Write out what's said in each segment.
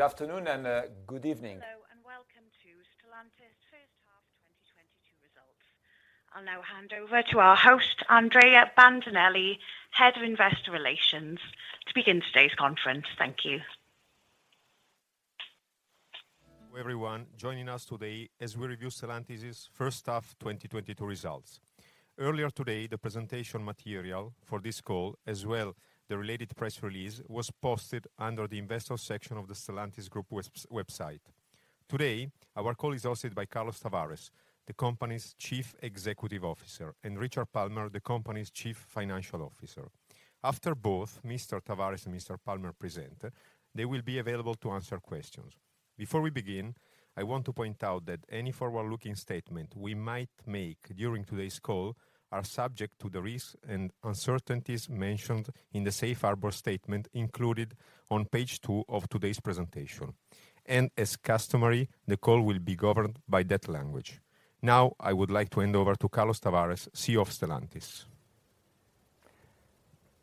Good afternoon and good evening. Hello, and welcome to Stellantis H1 2022 Results. I'll now hand over to our host, Andrea Bandinelli, Head of Investor Relations, to begin today's conference. Thank you. Everyone joining us today as we review Stellantis' H1 2022 results. Earlier today, the presentation material for this call, as well, the related press release was posted under the investor section of the Stellantis Group's website. Today, our call is hosted by Carlos Tavares, the company's Chief Executive Officer, and Richard Palmer, the company's Chief Financial Officer. After both Mr. Tavares and Mr. Palmer present, they will be available to answer questions. Before we begin, I want to point out that any forward-looking statement we might make during today's call are subject to the risks and uncertainties mentioned in the safe harbor statement included on page two of today's presentation. As customary, the call will be governed by that language. Now, I would like to hand over to Carlos Tavares, CEO of Stellantis.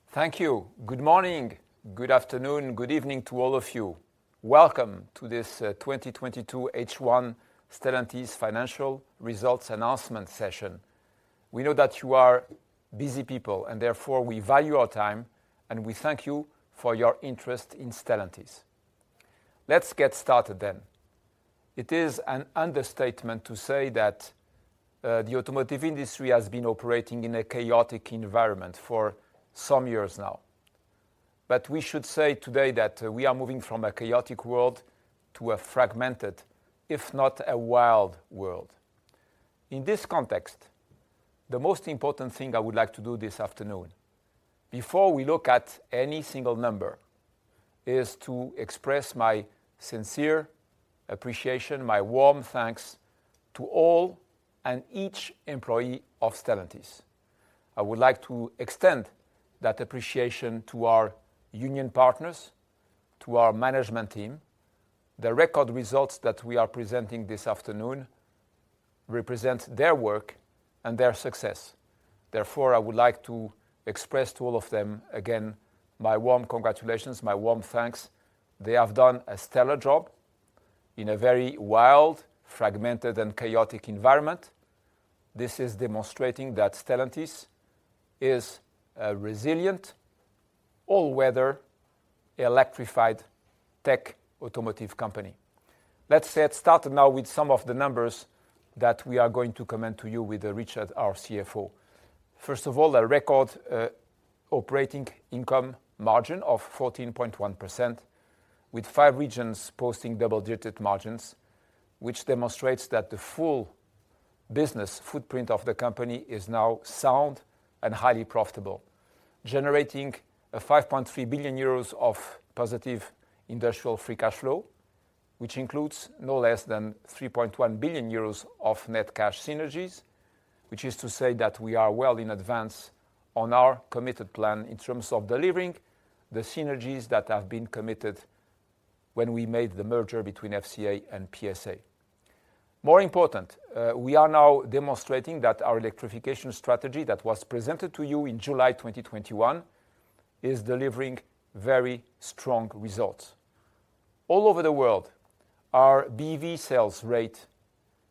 Thank you. Good morning, good afternoon, good evening to all of you. Welcome to this 2022 H1 Stellantis financial results announcement session. We know that you are busy people, and therefore we value our time, and we thank you for your interest in Stellantis. Let's get started then. It is an understatement to say that the automotive industry has been operating in a chaotic environment for some years now. We should say today that we are moving from a chaotic world to a fragmented, if not a wild world. In this context, the most important thing I would like to do this afternoon, before we look at any single number, is to express my sincere appreciation, my warm thanks to all and each employee of Stellantis. I would like to extend that appreciation to our union partners, to our management team. The record results that we are presenting this afternoon represent their work and their success. Therefore, I would like to express to all of them again my warm congratulations, my warm thanks. They have done a stellar job in a very wild, fragmented, and chaotic environment. This is demonstrating that Stellantis is a resilient, all-weather, electrified tech automotive company. Let's get started now with some of the numbers that we are going to comment to you with, Richard, our CFO. First of all, a record operating income margin of 14.1%, with five regions posting double-digit margins, which demonstrates that the full business footprint of the company is now sound and highly profitable, generating 5.3 billion euros of positive Industrial Free Cash Flow, which includes no less than 3.1 billion euros of net cash synergies. Which is to say that we are well in advance on our committed plan in terms of delivering the synergies that have been committed when we made the merger between FCA and PSA. More important, we are now demonstrating that our electrification strategy that was presented to you in July 2021 is delivering very strong results. All over the world, our BEV sales rate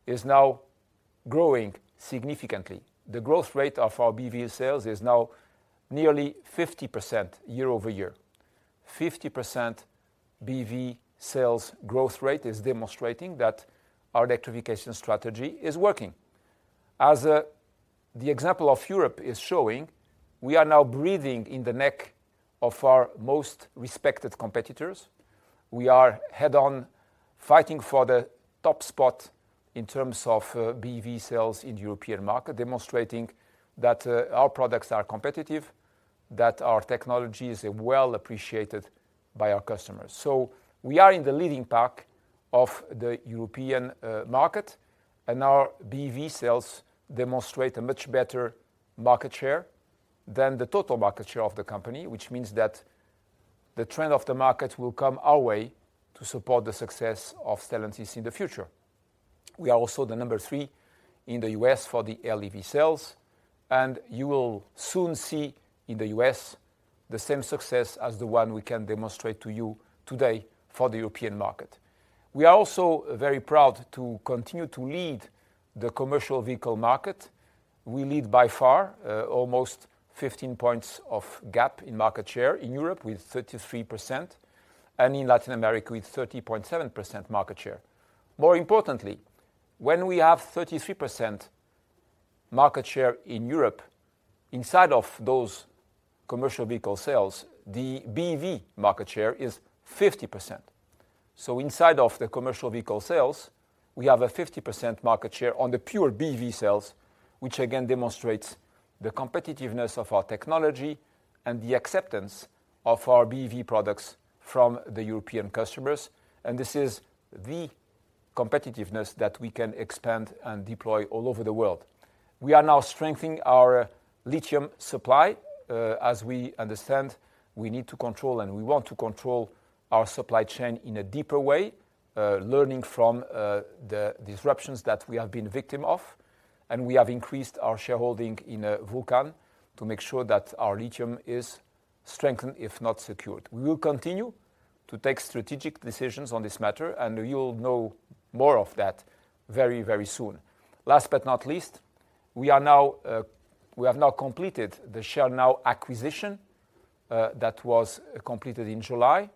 is now growing significantly. The growth rate of our BEV sales is now nearly 50% year-over-year. 50% BEV sales growth rate is demonstrating that our electrification strategy is working. As the example of Europe is showing, we are now breathing down the neck of our most respected competitors. We are head-on fighting for the top spot in terms of, BEV sales in European market, demonstrating that, our products are competitive, that our technology is well appreciated by our customers. We are in the leading pack of the European market, and our BEV sales demonstrate a much better market share than the total market share of the company, which means that the trend of the market will come our way to support the success of Stellantis in the future. We are also the number three in the U.S. for the LEV sales, and you will soon see in the U.S. the same success as the one we can demonstrate to you today for the European market. We are also very proud to continue to lead the commercial vehicle market. We lead by far, almost 15 points of gap in market share in Europe with 33% and in Latin America with 30.7% market share. More importantly, when we have 33% market share in Europe, inside of those commercial vehicle sales, the BEV market share is 50%. Inside of the commercial vehicle sales, we have a 50% market share on the pure BEV sales, which again demonstrates the competitiveness of our technology and the acceptance of our BEV products from the European customers. This is the competitiveness that we can expand and deploy all over the world. We are now strengthening our lithium supply, as we understand we need to control, and we want to control our supply chain in a deeper way, learning from the disruptions that we have been victim of. We have increased our shareholding in Vulcan to make sure that our lithium is strengthened, if not secured. We will continue to take strategic decisions on this matter, and you will know more of that very, very soon. Last but not least, we have now completed the Share Now acquisition that was completed in July.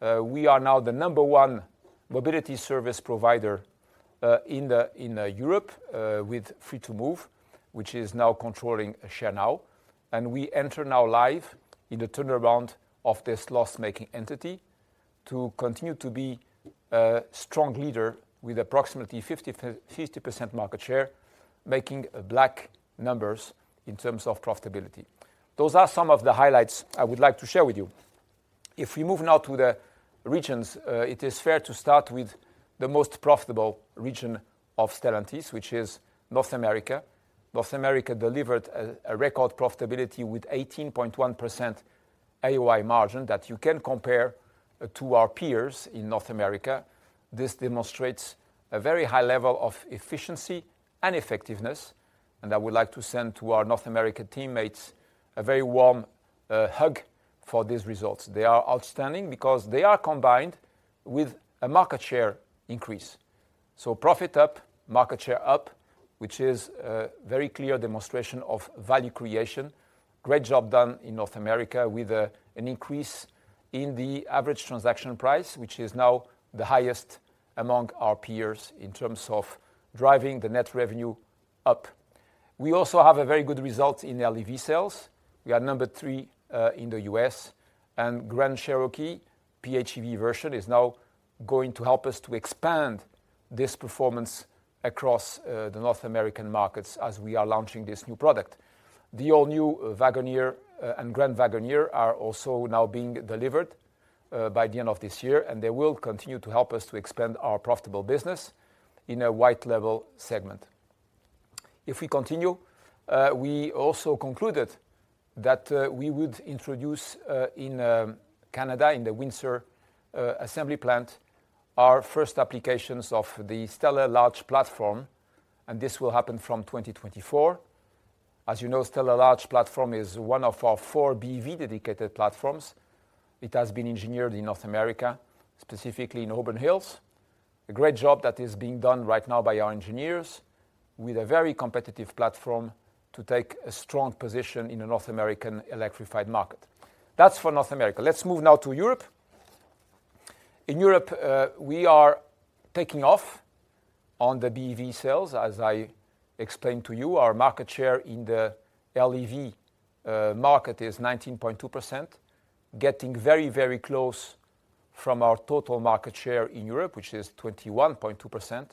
We are now the number one mobility service provider in Europe with Free2move, which is now controlling Share Now. We enter now live in the turnaround of this loss-making entity to continue to be a strong leader with approximately 50% market share, making black numbers in terms of profitability. Those are some of the highlights I would like to share with you. If we move now to the regions, it is fair to start with the most profitable region of Stellantis, which is North America. North America delivered a record profitability with 18.1% AOI margin that you can compare to our peers in North America. This demonstrates a very high level of efficiency and effectiveness, and I would like to send to our North American teammates a very warm hug for these results. They are outstanding because they are combined with a market share increase. Profit up, market share up, which is a very clear demonstration of value creation. Great job done in North America with an increase in the average transaction price, which is now the highest among our peers in terms of driving the net revenue up. We also have a very good result in LEV sales. We are number three in the U.S. and Grand Cherokee PHEV version is now going to help us to expand this performance across the North American markets as we are launching this new product. The all-new Wagoneer and Grand Wagoneer are also now being delivered by the end of this year, and they will continue to help us to expand our profitable business in a high-level segment. If we continue, we also concluded that we would introduce in Canada, in the Windsor assembly plant, our first applications of the STLA Large platform, and this will happen from 2024. As you know, STLA Large platform is one of our four BEV dedicated platforms. It has been engineered in North America, specifically in Auburn Hills. A great job that is being done right now by our engineers with a very competitive platform to take a strong position in a North American electrified market. That's for North America. Let's move now to Europe. In Europe, we are taking off on the BEV sales. As I explained to you, our market share in the LEV market is 19.2%, getting very, very close to our total market share in Europe, which is 21.2%.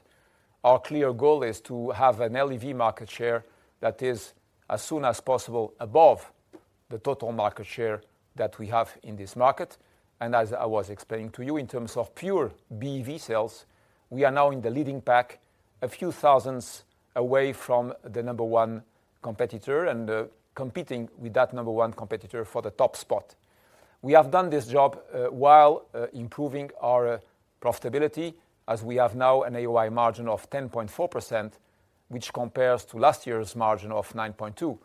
Our clear goal is to have an LEV market share that is as soon as possible above the total market share that we have in this market. As I was explaining to you, in terms of pure BEV sales, we are now in the leading pack, a few thousand away from the number one competitor and competing with that number one competitor for the top spot. We have done this job while improving our profitability as we have now an AOI margin of 10.4%, which compares to last year's margin of 9.2%.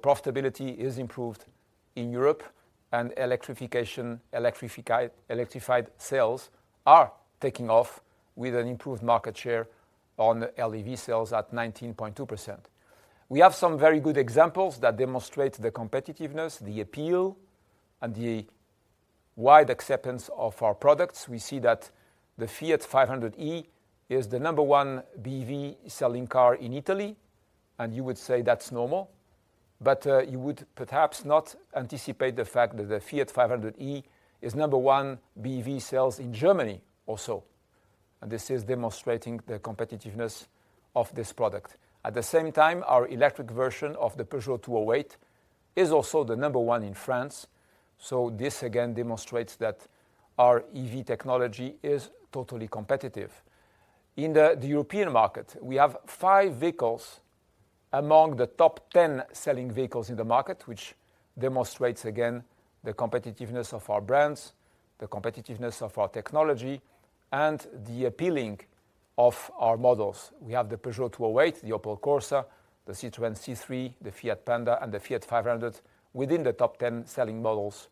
Profitability is improved in Europe and electrification, electrified sales are taking off with an improved market share on LEV sales at 19.2%. We have some very good examples that demonstrate the competitiveness, the appeal, and the wide acceptance of our products. We see that the Fiat 500e is the number one BEV selling car in Italy, and you would say that's normal. You would perhaps not anticipate the fact that the Fiat 500e is number one BEV sales in Germany also. This is demonstrating the competitiveness of this product. At the same time, our electric version of the Peugeot 208 is also the number one in France. This again demonstrates that our EV technology is totally competitive. In the European market, we have five vehicles among the top ten selling vehicles in the market, which demonstrates again the competitiveness of our brands, the competitiveness of our technology, and the appealing of our models. We have the Peugeot 208, the Opel Corsa, the Citroën C3, the Fiat Panda, and the Fiat 500 within the top ten selling models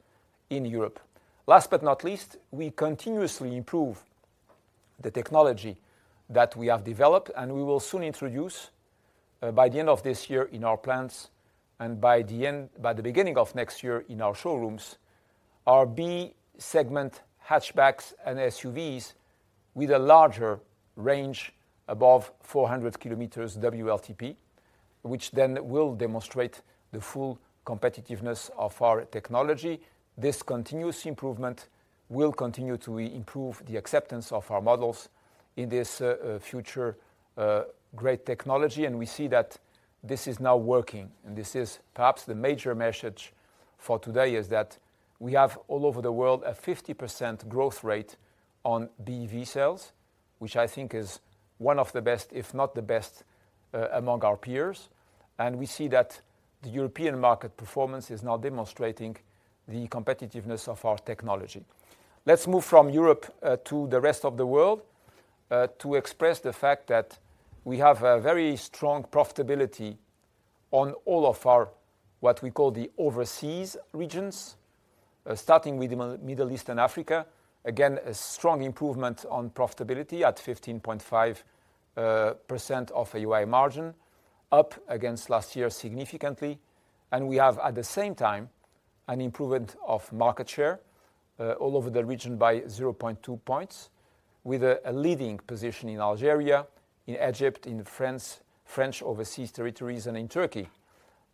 in Europe. Last but not least, we continuously improve the technology that we have developed, and we will soon introduce by the end of this year in our plants and by the beginning of next year in our showrooms, our B-segment hatchbacks and SUVs with a larger range above 400 km WLTP, which then will demonstrate the full competitiveness of our technology. This continuous improvement will continue to improve the acceptance of our models in this future great technology, and we see that this is now working. This is perhaps the major message for today is that we have all over the world a 50% growth rate on BEV sales, which I think is one of the best, if not the best, among our peers. We see that the European market performance is now demonstrating the competitiveness of our technology. Let's move from Europe to the rest of the world to express the fact that we have a very strong profitability on all of our, what we call the overseas regions. Starting with the Middle East and Africa, again, a strong improvement on profitability at 15.5% of AOI margin, up against last year significantly. We have, at the same time, an improvement of market share all over the region by 0.2 points, with a leading position in Algeria, in Egypt, in French overseas territories, and in Turkey.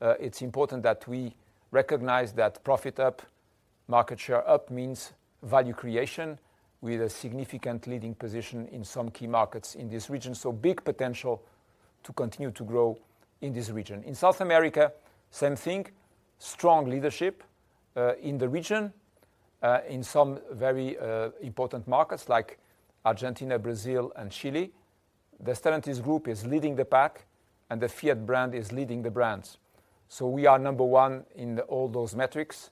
It's important that we recognize that profit up, market share up means value creation with a significant leading position in some key markets in this region. Big potential to continue to grow in this region. In South America, same thing, strong leadership in the region in some very important markets like Argentina, Brazil, and Chile. The Stellantis group is leading the pack, and the Fiat brand is leading the brands. We are number one in all those metrics,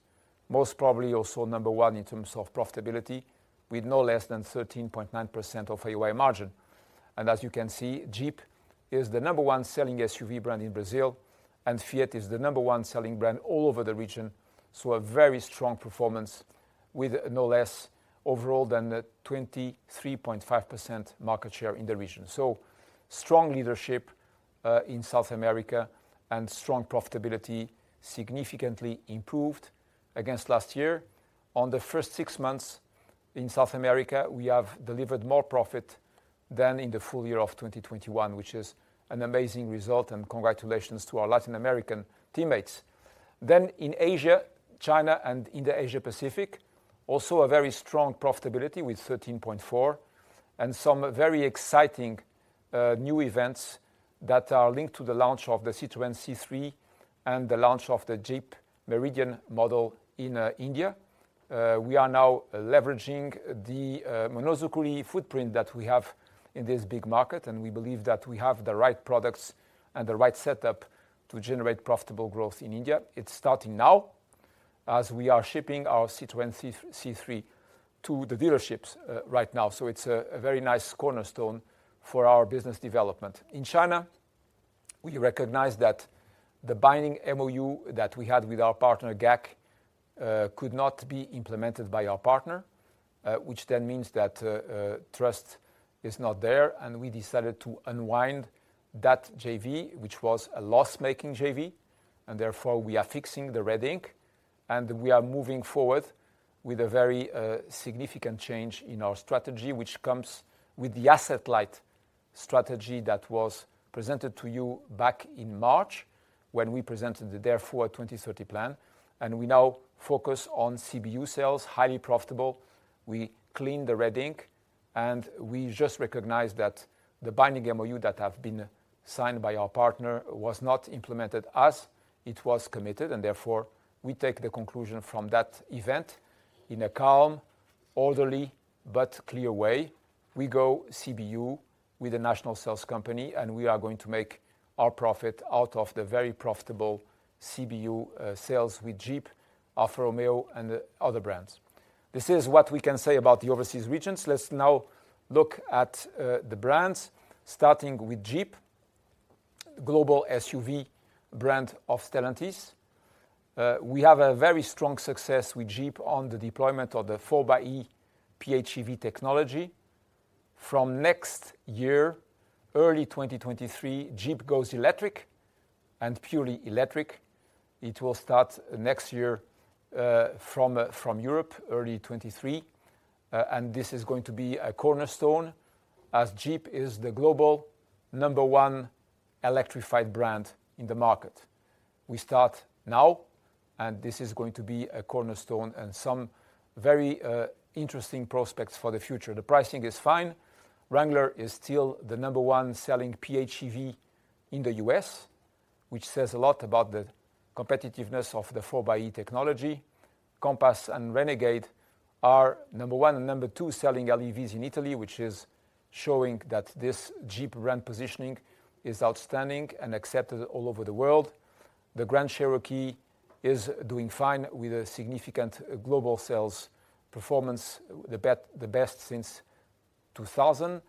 most probably also number one in terms of profitability, with no less than 13.9% AOI margin. As you can see, Jeep is the number one selling SUV brand in Brazil, and Fiat is the number one selling brand all over the region, a very strong performance with no less overall than a 23.5% market share in the region. Strong leadership in South America and strong profitability significantly improved against last year. On the first six months in South America, we have delivered more profit than in the full year of 2021, which is an amazing result, and congratulations to our Latin American teammates. In Asia, China, and in the Asia Pacific, also a very strong profitability with 13.4%, and some very exciting new events that are linked to the launch of the Citroën C3 and the launch of the Jeep Meridian model in India. We are now leveraging the Monozukuri footprint that we have in this big market, and we believe that we have the right products and the right setup to generate profitable growth in India. It's starting now as we are shipping our Citroën C3 to the dealerships right now. It's a very nice cornerstone for our business development. In China, we recognize that the binding MoU that we had with our partner GAC could not be implemented by our partner, which then means that trust is not there, and we decided to unwind that JV, which was a loss-making JV, and therefore we are fixing the red ink, and we are moving forward with a very significant change in our strategy, which comes with the asset-light strategy that was presented to you back in March when we presented the Dare Forward 2030 plan. We now focus on CBU sales, highly profitable. We clean the red ink, and we just recognize that the binding MoU that have been signed by our partner was not implemented as it was committed, and therefore we take the conclusion from that event in a calm, orderly, but clear way. We go CBU with a national sales company, and we are going to make our profit out of the very profitable CBU sales with Jeep, Alfa Romeo, and other brands. This is what we can say about the overseas regions. Let's now look at the brands, starting with Jeep, global SUV brand of Stellantis. We have a very strong success with Jeep on the deployment of the 4xe PHEV technology. From next year, early 2023, Jeep goes electric and purely electric. It will start next year from Europe, early 2023. This is going to be a cornerstone as Jeep is the global number one electrified brand in the market. We start now, and this is going to be a cornerstone and some very interesting prospects for the future. The pricing is fine. Wrangler is still the number one selling PHEV in the U.S., which says a lot about the competitiveness of the 4xe technology. Compass and Renegade are number one and number two selling LEVs in Italy, which is showing that this Jeep brand positioning is outstanding and accepted all over the world. The Grand Cherokee is doing fine with a significant global sales performance, the best since 2000.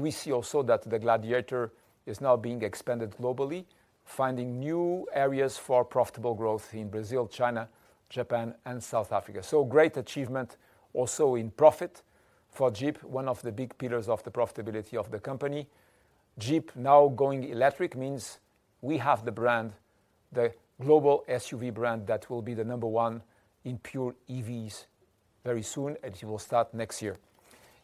We see also that the Gladiator is now being expanded globally, finding new areas for profitable growth in Brazil, China, Japan, and South Africa. Great achievement also in profit for Jeep, one of the big pillars of the profitability of the company. Jeep now going electric means we have the brand, the global SUV brand that will be the number one in pure EVs very soon, and it will start next year.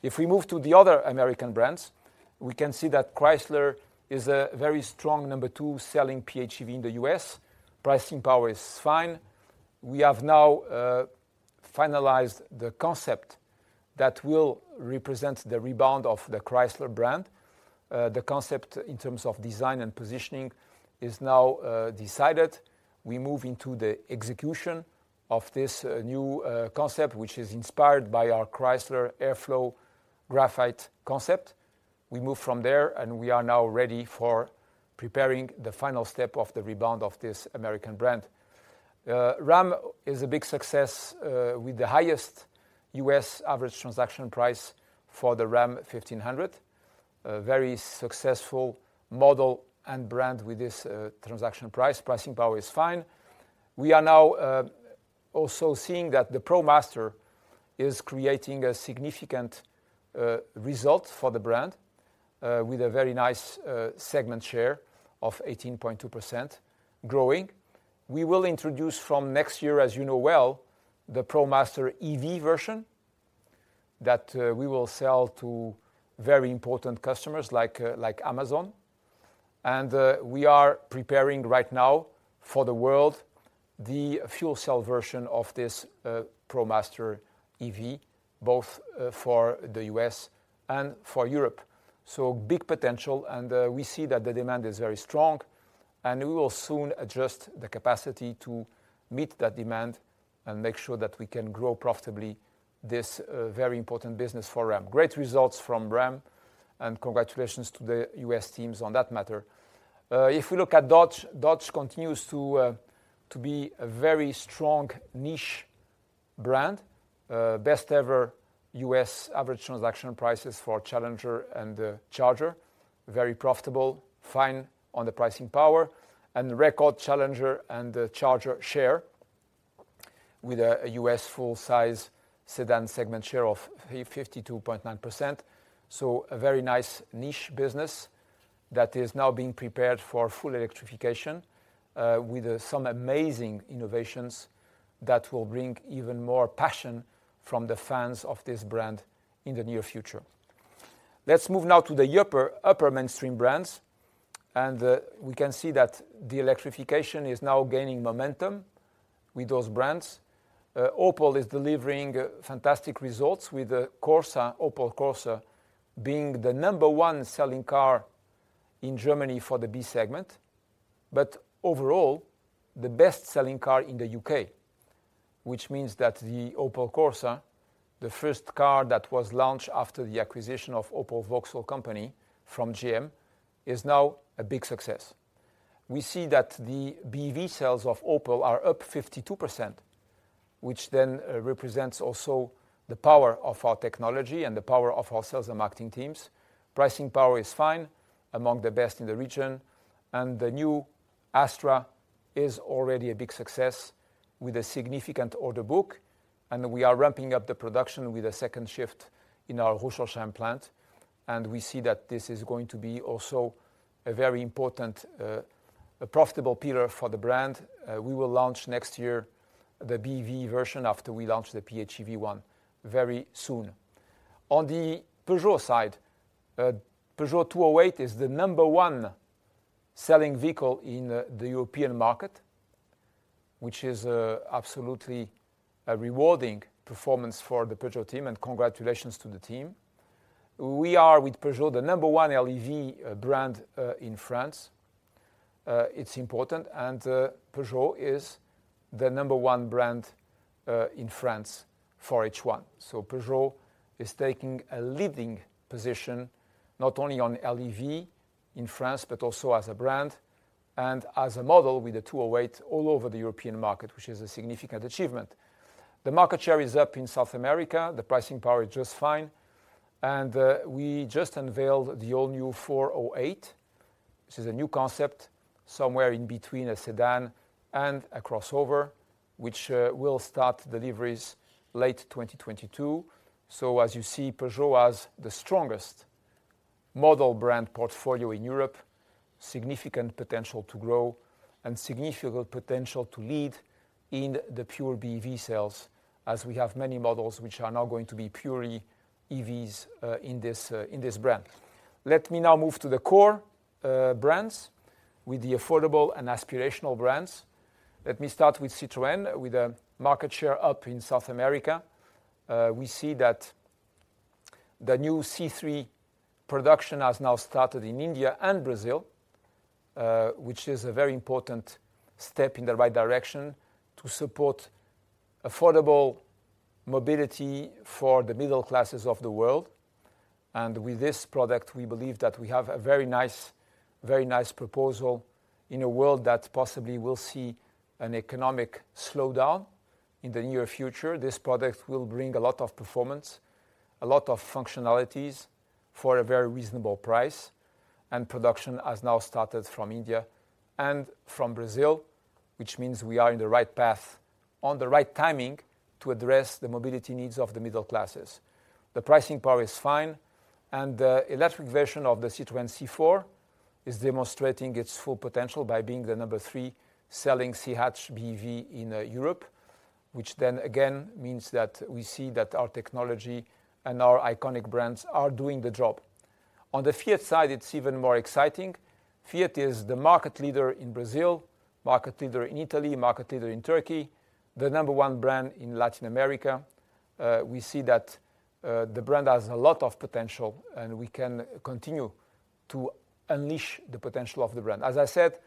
If we move to the other American brands, we can see that Chrysler is a very strong number two selling PHEV in the U.S. Pricing power is fine. We have now finalized the concept that will represent the rebound of the Chrysler brand. The concept in terms of design and positioning is now decided. We move into the execution of this new concept, which is inspired by our Chrysler Airflow Graphite concept. We move from there, and we are now ready for preparing the final step of the rebound of this American brand. Ram is a big success with the highest U.S. average transaction price for the Ram 1500. A very successful model and brand with this transaction price. Pricing power is fine. We are now also seeing that the ProMaster is creating a significant result for the brand with a very nice segment share of 18.2% growing. We will introduce from next year, as you know well, the ProMaster EV version that we will sell to very important customers like Amazon. We are preparing right now for the world the fuel cell version of this ProMaster EV, both for the U.S. and for Europe. Big potential, and we see that the demand is very strong, and we will soon adjust the capacity to meet that demand and make sure that we can grow profitably this very important business for Ram. Great results from Ram, and congratulations to the U.S. teams on that matter. If we look at Dodge continues to be a very strong niche brand. Best ever U.S. average transaction prices for Challenger and Charger. Very profitable. Fine on the pricing power. Record Challenger and Charger share with a U.S. full-size sedan segment share of 52.9%. A very nice niche business that is now being prepared for full electrification with some amazing innovations that will bring even more passion from the fans of this brand in the near future. Let's move now to the upper mainstream brands, and we can see that the electrification is now gaining momentum with those brands. Opel is delivering fantastic results with the Corsa, Opel Corsa being the number one selling car in Germany for the B segment. Overall, the best-selling car in the U.K., which means that the Opel Corsa, the first car that was launched after the acquisition of Opel Vauxhall company from GM, is now a big success. We see that the BEV sales of Opel are up 52%, which then represents also the power of our technology and the power of our sales and marketing teams. Pricing power is fine, among the best in the region. The new Astra is already a big success with a significant order book, and we are ramping up the production with a second shift in our Rüsselsheim plant. We see that this is going to be also a very important, a profitable pillar for the brand. We will launch next year the BEV version after we launch the PHEV one very soon. On the Peugeot side, Peugeot 208 is the number one selling vehicle in the European market, which is absolutely a rewarding performance for the Peugeot team, and congratulations to the team. We are, with Peugeot, the number one LEV brand in France. It's important. Peugeot is the number one brand in France for H1. Peugeot is taking a leading position, not only on LEV in France, but also as a brand and as a model with the 208 all over the European market, which is a significant achievement. The market share is up in South America. The pricing power is just fine. We just unveiled the all-new 408. This is a new concept, somewhere in between a sedan and a crossover, which will start deliveries late 2022. As you see, Peugeot has the strongest model brand portfolio in Europe, significant potential to grow, and significant potential to lead in the pure BEV sales as we have many models which are now going to be purely EVs in this brand. Let me now move to the core brands with the affordable and aspirational brands. Let me start with Citroën. With a market share up in South America, we see that the new C3 production has now started in India and Brazil, which is a very important step in the right direction to support affordable mobility for the middle classes of the world. With this product, we believe that we have a very nice proposal in a world that possibly will see an economic slowdown in the near future. This product will bring a lot of performance, a lot of functionalities for a very reasonable price. Production has now started from India and from Brazil, which means we are in the right path on the right timing to address the mobility needs of the middle classes. The pricing power is fine, and the electric version of the Citroën C4 is demonstrating its full potential by being the number three selling C-hatch BEV in Europe, which then again means that we see that our technology and our iconic brands are doing the job. On the Fiat side, it's even more exciting. Fiat is the market leader in Brazil, market leader in Italy, market leader in Turkey, the number one brand in Latin America. We see that the brand has a lot of potential, and we can continue to unleash the potential of the brand. As I said,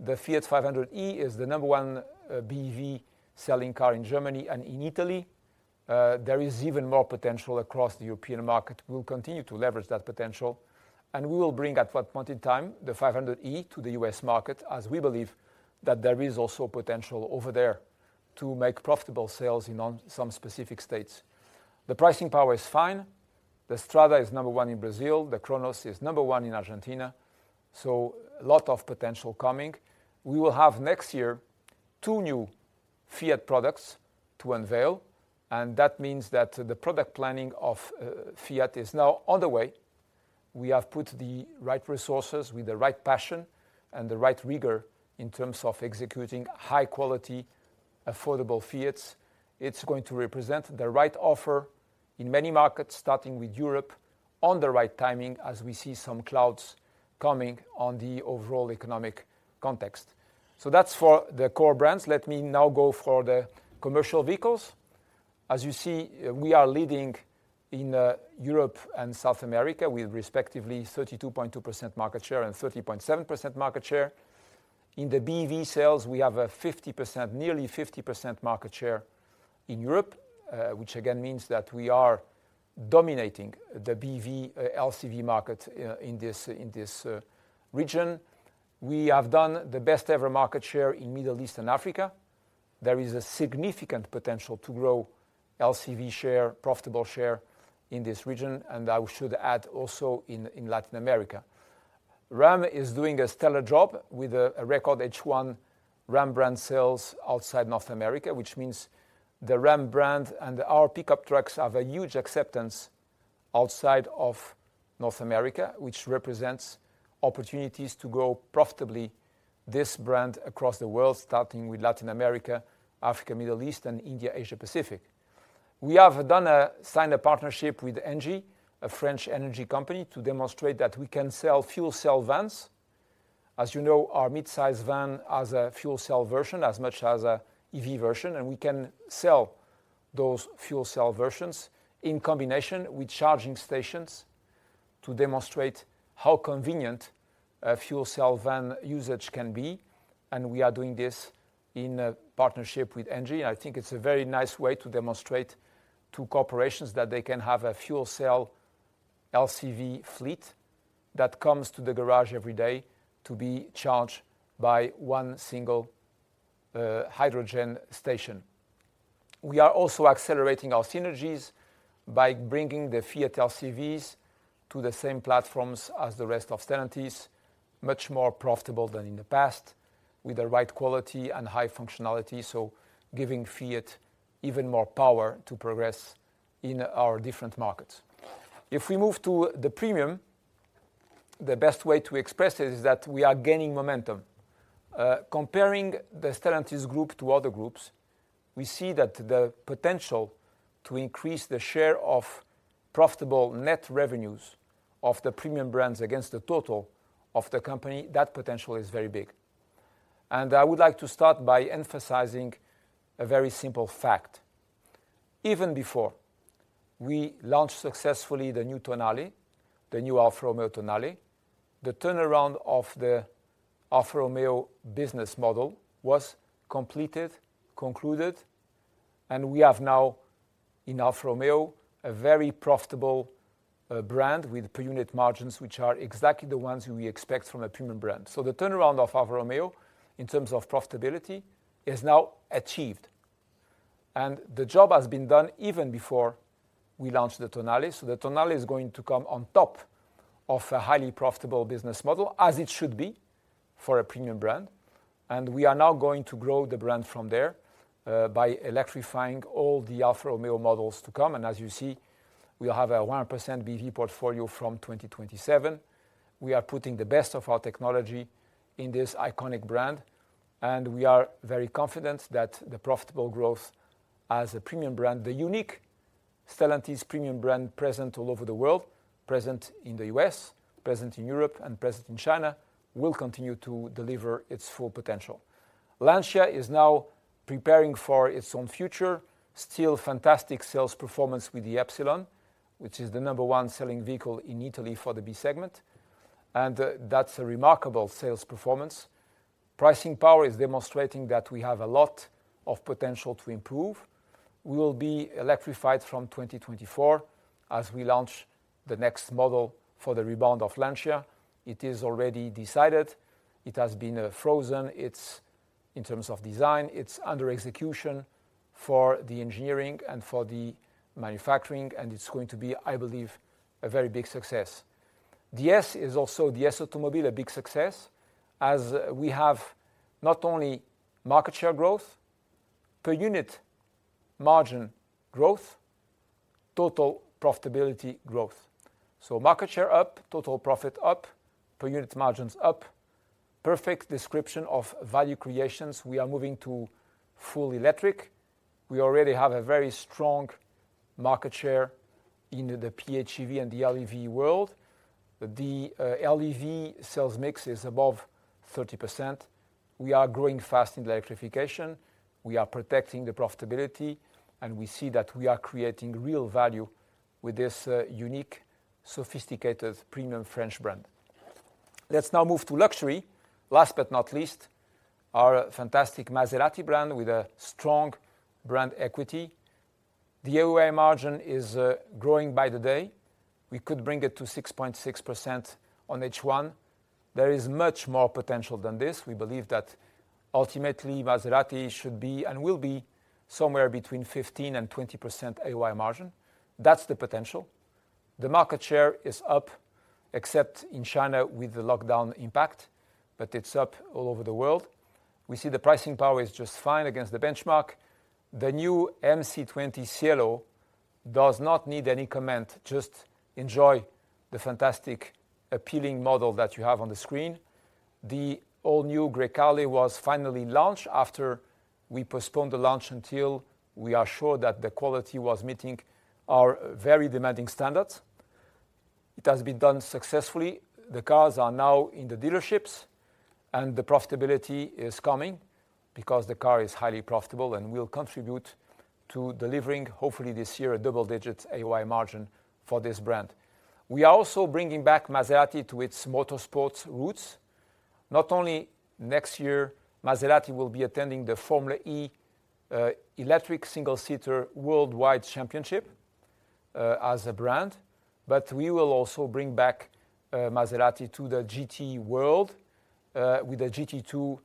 the Fiat 500e is the number one BEV selling car in Germany and in Italy. There is even more potential across the European market. We'll continue to leverage that potential, and we will bring at one point in time the 500e to the U.S. market, as we believe that there is also potential over there to make profitable sales in some specific states. The pricing power is fine. The Strada is number one in Brazil. The Cronos is number one in Argentina. Lot of potential coming. We will have next year two new Fiat products to unveil, and that means that the product planning of Fiat is now on the way. We have put the right resources with the right passion and the right rigor in terms of executing high quality, affordable Fiats. It's going to represent the right offer in many markets, starting with Europe on the right timing as we see some clouds coming on the overall economic context. That's for the core brands. Let me now go for the commercial vehicles. As you see, we are leading in Europe and South America with respectively 32.2% market share and 30.7% market share. In the BEV sales, we have a 50%, nearly 50% market share in Europe, which again means that we are dominating the BEV LCV market in this region. We have done the best-ever market share in Middle East and Africa. There is a significant potential to grow LCV share, profitable share in this region, and I should add also in Latin America. Ram is doing a stellar job with record H1 Ram brand sales outside North America, which means the Ram brand and our pickup trucks have a huge acceptance outside of North America, which represents opportunities to grow profitably this brand across the world, starting with Latin America, Africa, Middle East, and India, Asia Pacific. We have signed a partnership with Engie, a French energy company, to demonstrate that we can sell fuel cell vans. As you know, our midsize van has a fuel cell version as well as an EV version, and we can sell those fuel cell versions in combination with charging stations to demonstrate how convenient a fuel cell van usage can be. We are doing this in a partnership with Engie, and I think it's a very nice way to demonstrate to corporations that they can have a fuel cell LCV fleet that comes to the garage every day to be charged by one single hydrogen station. We are also accelerating our synergies by bringing the Fiat LCVs to the same platforms as the rest of Stellantis, much more profitable than in the past, with the right quality and high functionality, so giving Fiat even more power to progress in our different markets. If we move to the premium, the best way to express it is that we are gaining momentum. Comparing the Stellantis group to other groups, we see that the potential to increase the share of profitable net revenues of the premium brands against the total of the company, that potential is very big. I would like to start by emphasizing a very simple fact. Even before we launched successfully the new Tonale, the new Alfa Romeo Tonale, the turnaround of the Alfa Romeo business model was completed, concluded, and we have now in Alfa Romeo a very profitable, brand with per unit margins, which are exactly the ones we expect from a premium brand. The turnaround of Alfa Romeo in terms of profitability is now achieved, and the job has been done even before we launched the Tonale. The Tonale is going to come on top of a highly profitable business model as it should be for a premium brand. We are now going to grow the brand from there, by electrifying all the Alfa Romeo models to come. As you see, we'll have a 100% BEV portfolio from 2027. We are putting the best of our technology in this iconic brand, and we are very confident that the profitable growth as a premium brand, the unique Stellantis premium brand present all over the world, present in the U.S., present in Europe, and present in China, will continue to deliver its full potential. Lancia is now preparing for its own future. Still fantastic sales performance with the Ypsilon, which is the number one selling vehicle in Italy for the B segment, and that's a remarkable sales performance. Pricing power is demonstrating that we have a lot of potential to improve. We will be electrified from 2024 as we launch the next model for the rebound of Lancia. It is already decided. It has been frozen. In terms of design, it's under execution for the engineering and for the manufacturing, and it's going to be, I believe, a very big success. DS is also, DS Automobiles, a big success, as we have not only market share growth, per unit margin growth, total profitability growth. Market share up, total profit up, per unit margins up. Perfect description of value creation. We are moving to full electric. We already have a very strong market share in the PHEV and the LEV world. The LEV sales mix is above 30%. We are growing fast in electrification. We are protecting the profitability, and we see that we are creating real value with this unique, sophisticated premium French brand. Let's now move to luxury. Last but not least, our fantastic Maserati brand with a strong brand equity. The AOI margin is growing by the day. We could bring it to 6.6% on H1. There is much more potential than this. We believe that ultimately, Maserati should be and will be somewhere between 15%-20% AOI margin. That's the potential. The market share is up, except in China with the lockdown impact, but it's up all over the world. We see the pricing power is just fine against the benchmark. The new MC20 Cielo does not need any comment. Just enjoy the fantastic, appealing model that you have on the screen. The all-new Grecale was finally launched after we postponed the launch until we are sure that the quality was meeting our very demanding standards. It has been done successfully. The cars are now in the dealerships, and the profitability is coming because the car is highly profitable and will contribute to delivering, hopefully this year, a double-digit AOI margin for this brand. We are also bringing back Maserati to its motorsports roots. Not only next year, Maserati will be attending the Formula E, electric single-seater worldwide championship, as a brand, but we will also bring back, Maserati to the GT world, with a GT2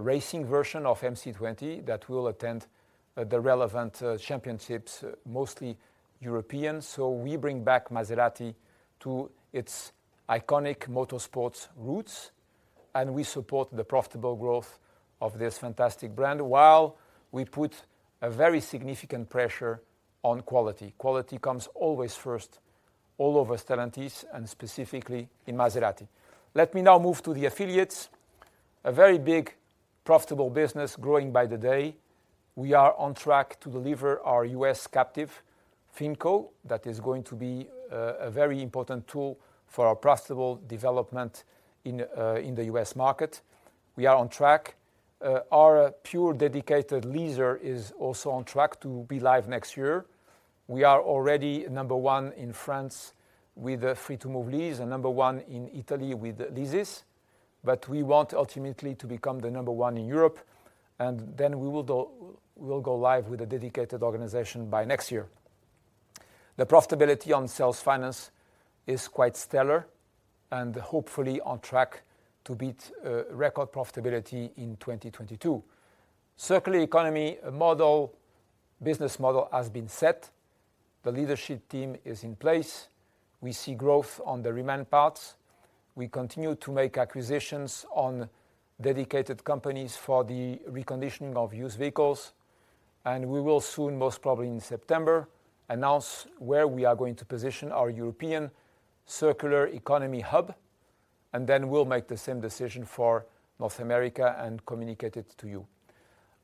racing version of MC20 that will attend the relevant championships, mostly European. We bring back Maserati to its iconic motorsports roots, and we support the profitable growth of this fantastic brand while we put a very significant pressure on quality. Quality comes always first all over Stellantis and specifically in Maserati. Let me now move to the affiliates, a very big, profitable business growing by the day. We are on track to deliver our U.S. captive, Finco. That is going to be a very important tool for our profitable development in the U.S. market. We are on track. Our pure dedicated leaser is also on track to be live next year. We are already number one in France with Free2move Lease and number one in Italy with Leasys. We want ultimately to become the number one in Europe, and then we will go live with a dedicated organization by next year. The profitability on sales finance is quite stellar and hopefully on track to beat record profitability in 2022. Circular economy model, business model has been set. The leadership team is in place. We see growth on the reman parts. We continue to make acquisitions on dedicated companies for the reconditioning of used vehicles. We will soon, most probably in September, announce where we are going to position our European circular economy hub, and then we'll make the same decision for North America and communicate it to you.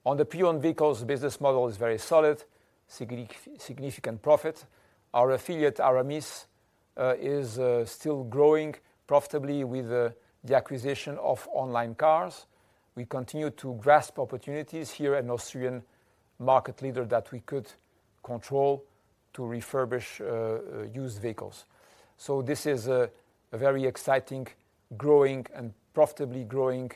On the pre-owned vehicles, the business model is very solid, significant profit. Our affiliate, Aramis, is still growing profitably with the acquisition of Onlinecars. We continue to grasp opportunities here in Austria and market leader that we could control to refurbish used vehicles. This is a very exciting, growing and profitably growing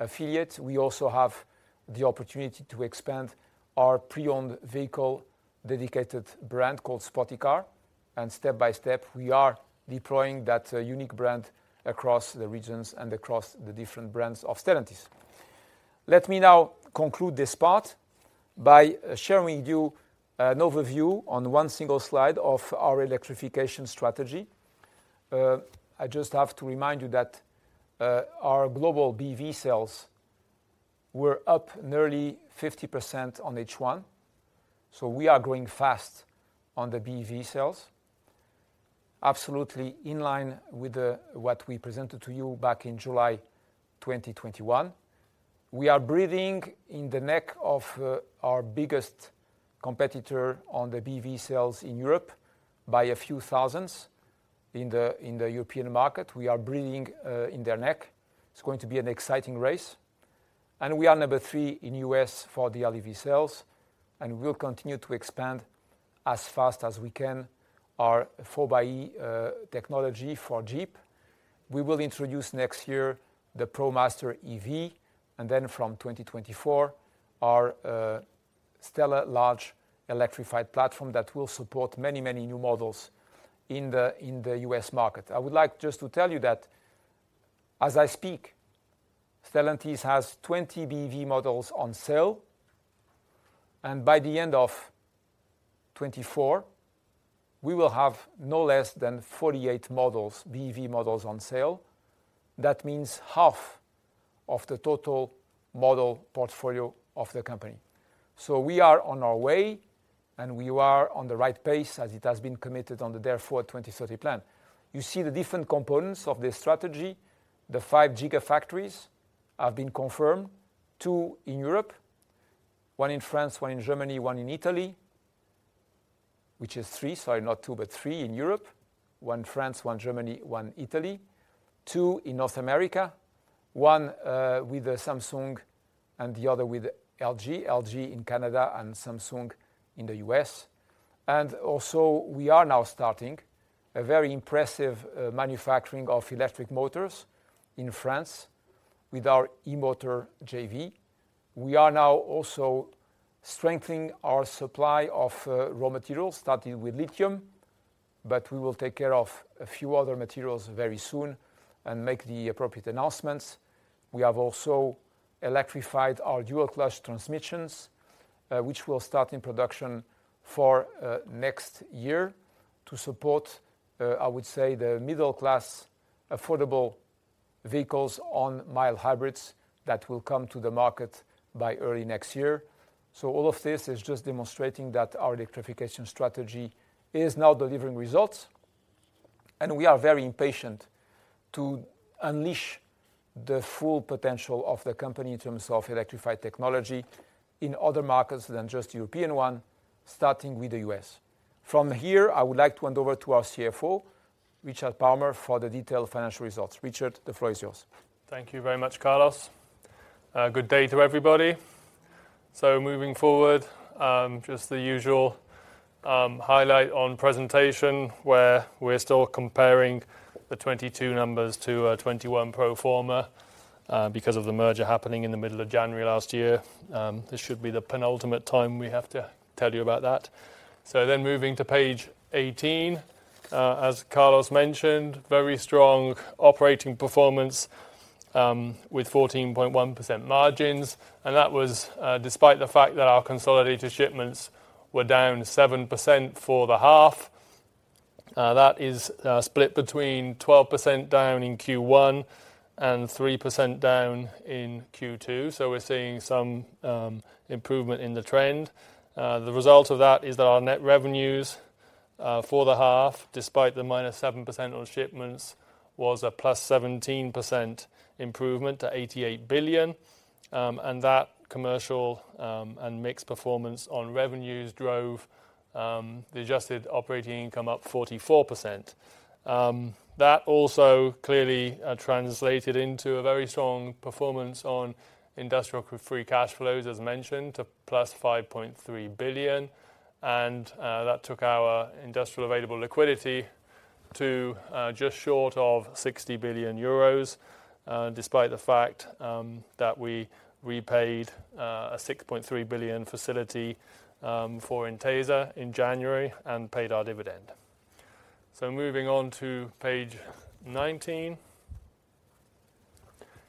affiliate. We also have the opportunity to expand our pre-owned vehicle dedicated brand called SPOTICAR, and step by step, we are deploying that unique brand across the regions and across the different brands of Stellantis. Let me now conclude this part by sharing with you an overview on one single slide of our electrification strategy. I just have to remind you that our global BEV sales were up nearly 50% on H1, so we are growing fast on the BEV sales. Absolutely in line with what we presented to you back in July 2021. We are breathing in the neck of our biggest competitor on the BEV sales in Europe by a few thousands in the European market. We are breathing in their neck. It's going to be an exciting race. We are number three in U.S. for the LEV sales, and we'll continue to expand as fast as we can our 4xe technology for Jeep. We will introduce next year the ProMaster EV, and then from 2024, our STLA Large electrified platform that will support many, many new models in the US market. I would like just to tell you that as I speak, Stellantis has 20 BEV models on sale, and by the end of 2024, we will have no less than 48 models, BEV models on sale. That means half of the total model portfolio of the company. We are on our way, and we are on the right pace as it has been committed on the Dare Forward 2030 plan. You see the different components of this strategy. The five Gigafactories have been confirmed, two in Europe, one in France, one in Germany, one in Italy, which is three, sorry, not two, but three in Europe. One France, one Germany, one Italy. Two in North America. One, with Samsung and the other with LG. LG in Canada and Samsung in the U.S. We are now starting a very impressive manufacturing of electric motors in France with our Emotors. We are now also strengthening our supply of raw materials, starting with lithium, but we will take care of a few other materials very soon and make the appropriate announcements. We have also electrified our dual clutch transmissions, which will start in production for next year to support, I would say, the middle-class affordable vehicles on mild hybrids that will come to the market by early next year. All of this is just demonstrating that our electrification strategy is now delivering results, and we are very impatient to unleash the full potential of the company in terms of electrified technology in other markets than just European one, starting with the U.S. From here, I would like to hand over to our CFO, Richard Palmer, for the detailed financial results. Richard, the floor is yours. Thank you very much, Carlos. Good day to everybody. Moving forward, just the usual highlight on presentation where we're still comparing the 2022 numbers to 2021 pro forma because of the merger happening in the middle of January last year. This should be the penultimate time we have to tell you about that. Moving to page 18, as Carlos mentioned, very strong operating performance with 14.1% margins. That was despite the fact that our consolidated shipments were down 7% for the half. That is split between 12% down in Q1 and 3% down in Q2. We're seeing some improvement in the trend. The result of that is that our net revenues, for the half, despite the -7% on shipments, was a +17% improvement to 88 billion. That commercial and mixed performance on revenues drove the adjusted operating income up 44%. That also clearly translated into a very strong performance on industrial free cash flows, as mentioned, to +5.3 billion. That took our industrial available liquidity to just short of 60 billion euros, despite the fact that we repaid a 6.3 billion facility for Intesa in January and paid our dividend. Moving on to page 19. You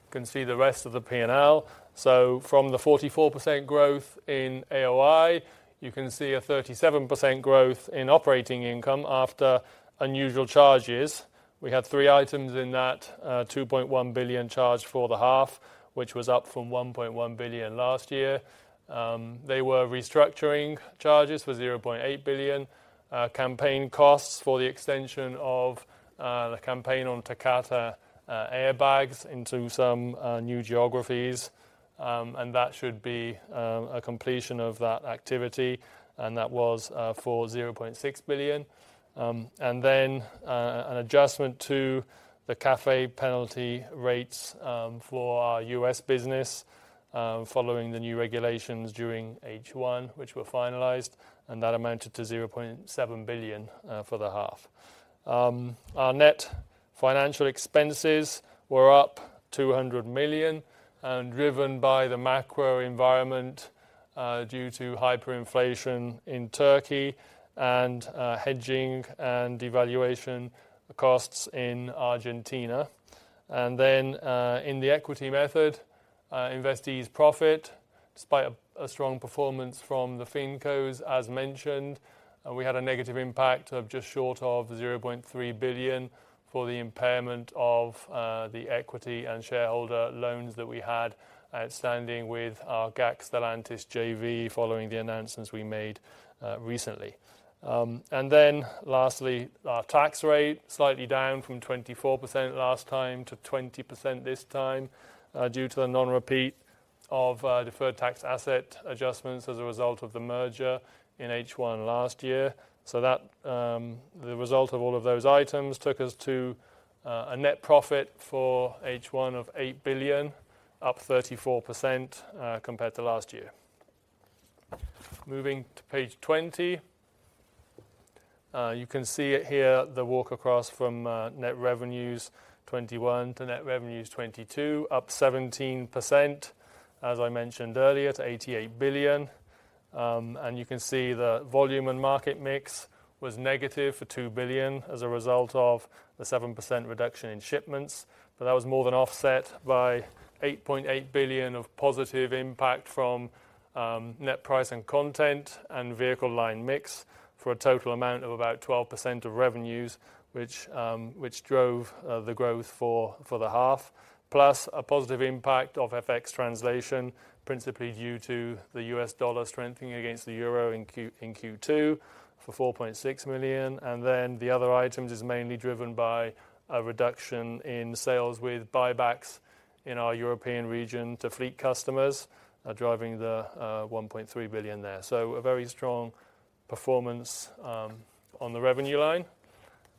can see the rest of the P&L. From the 44% growth in AOI, you can see a 37% growth in operating income after unusual charges. We had three items in that 2.1 billion charge for the half, which was up from 1.1 billion last year. They were restructuring charges for 0.8 billion, campaign costs for the extension of the campaign on Takata airbags into some new geographies. That should be a completion of that activity, and that was for 0.6 billion. Then, an adjustment to the CAFE penalty rates for our U.S. business following the new regulations during H1, which were finalized, and that amounted to 0.7 billion for the half. Our net financial expenses were up 200 million and driven by the macro environment due to hyperinflation in Turkey and hedging and devaluation costs in Argentina. In the equity method investees profit, despite a strong performance from the Finco as mentioned, we had a negative impact of just short of 0.3 billion for the impairment of the equity and shareholder loans that we had outstanding with our GAC Stellantis JV following the announcements we made recently. Lastly, our tax rate, slightly down from 24% last time to 20% this time, due to the non-repeat of deferred tax asset adjustments as a result of the merger in H1 last year. The result of all of those items took us to a net profit for H1 of 8 billion, up 34%, compared to last year. Moving to page 20. You can see it here, the walk across from net revenues 2021 to net revenues 2022, up 17%, as I mentioned earlier, to 88 billion. You can see the volume and market mix was negative for two billion as a result of the 7% reduction in shipments. But that was more than offset by 8.8 billion of positive impact from net price and content and vehicle line mix for a total amount of about 12% of revenues, which drove the growth for the half. Plus a positive impact of FX translation, principally due to the US dollar strengthening against the euro in Q2 for 4.6 million. The other items is mainly driven by a reduction in sales with buybacks in our European region to fleet customers, driving the 1.3 billion there. A very strong performance on the revenue line.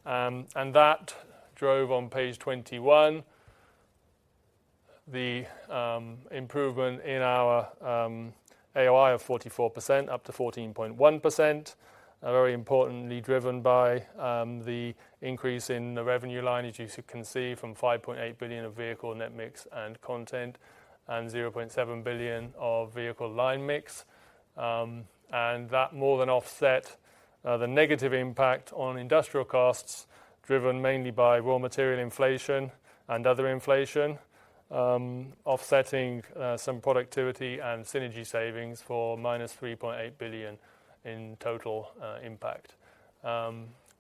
That drove on page 21, the improvement in our AOI of 44% up to 14.1%. Very importantly driven by the increase in the revenue line, as you can see, from 5.8 billion of vehicle net mix and content and 0.7 billion of vehicle line mix. That more than offset the negative impact on industrial costs driven mainly by raw material inflation and other inflation, offsetting some productivity and synergy savings for -3.8 billion in total impact.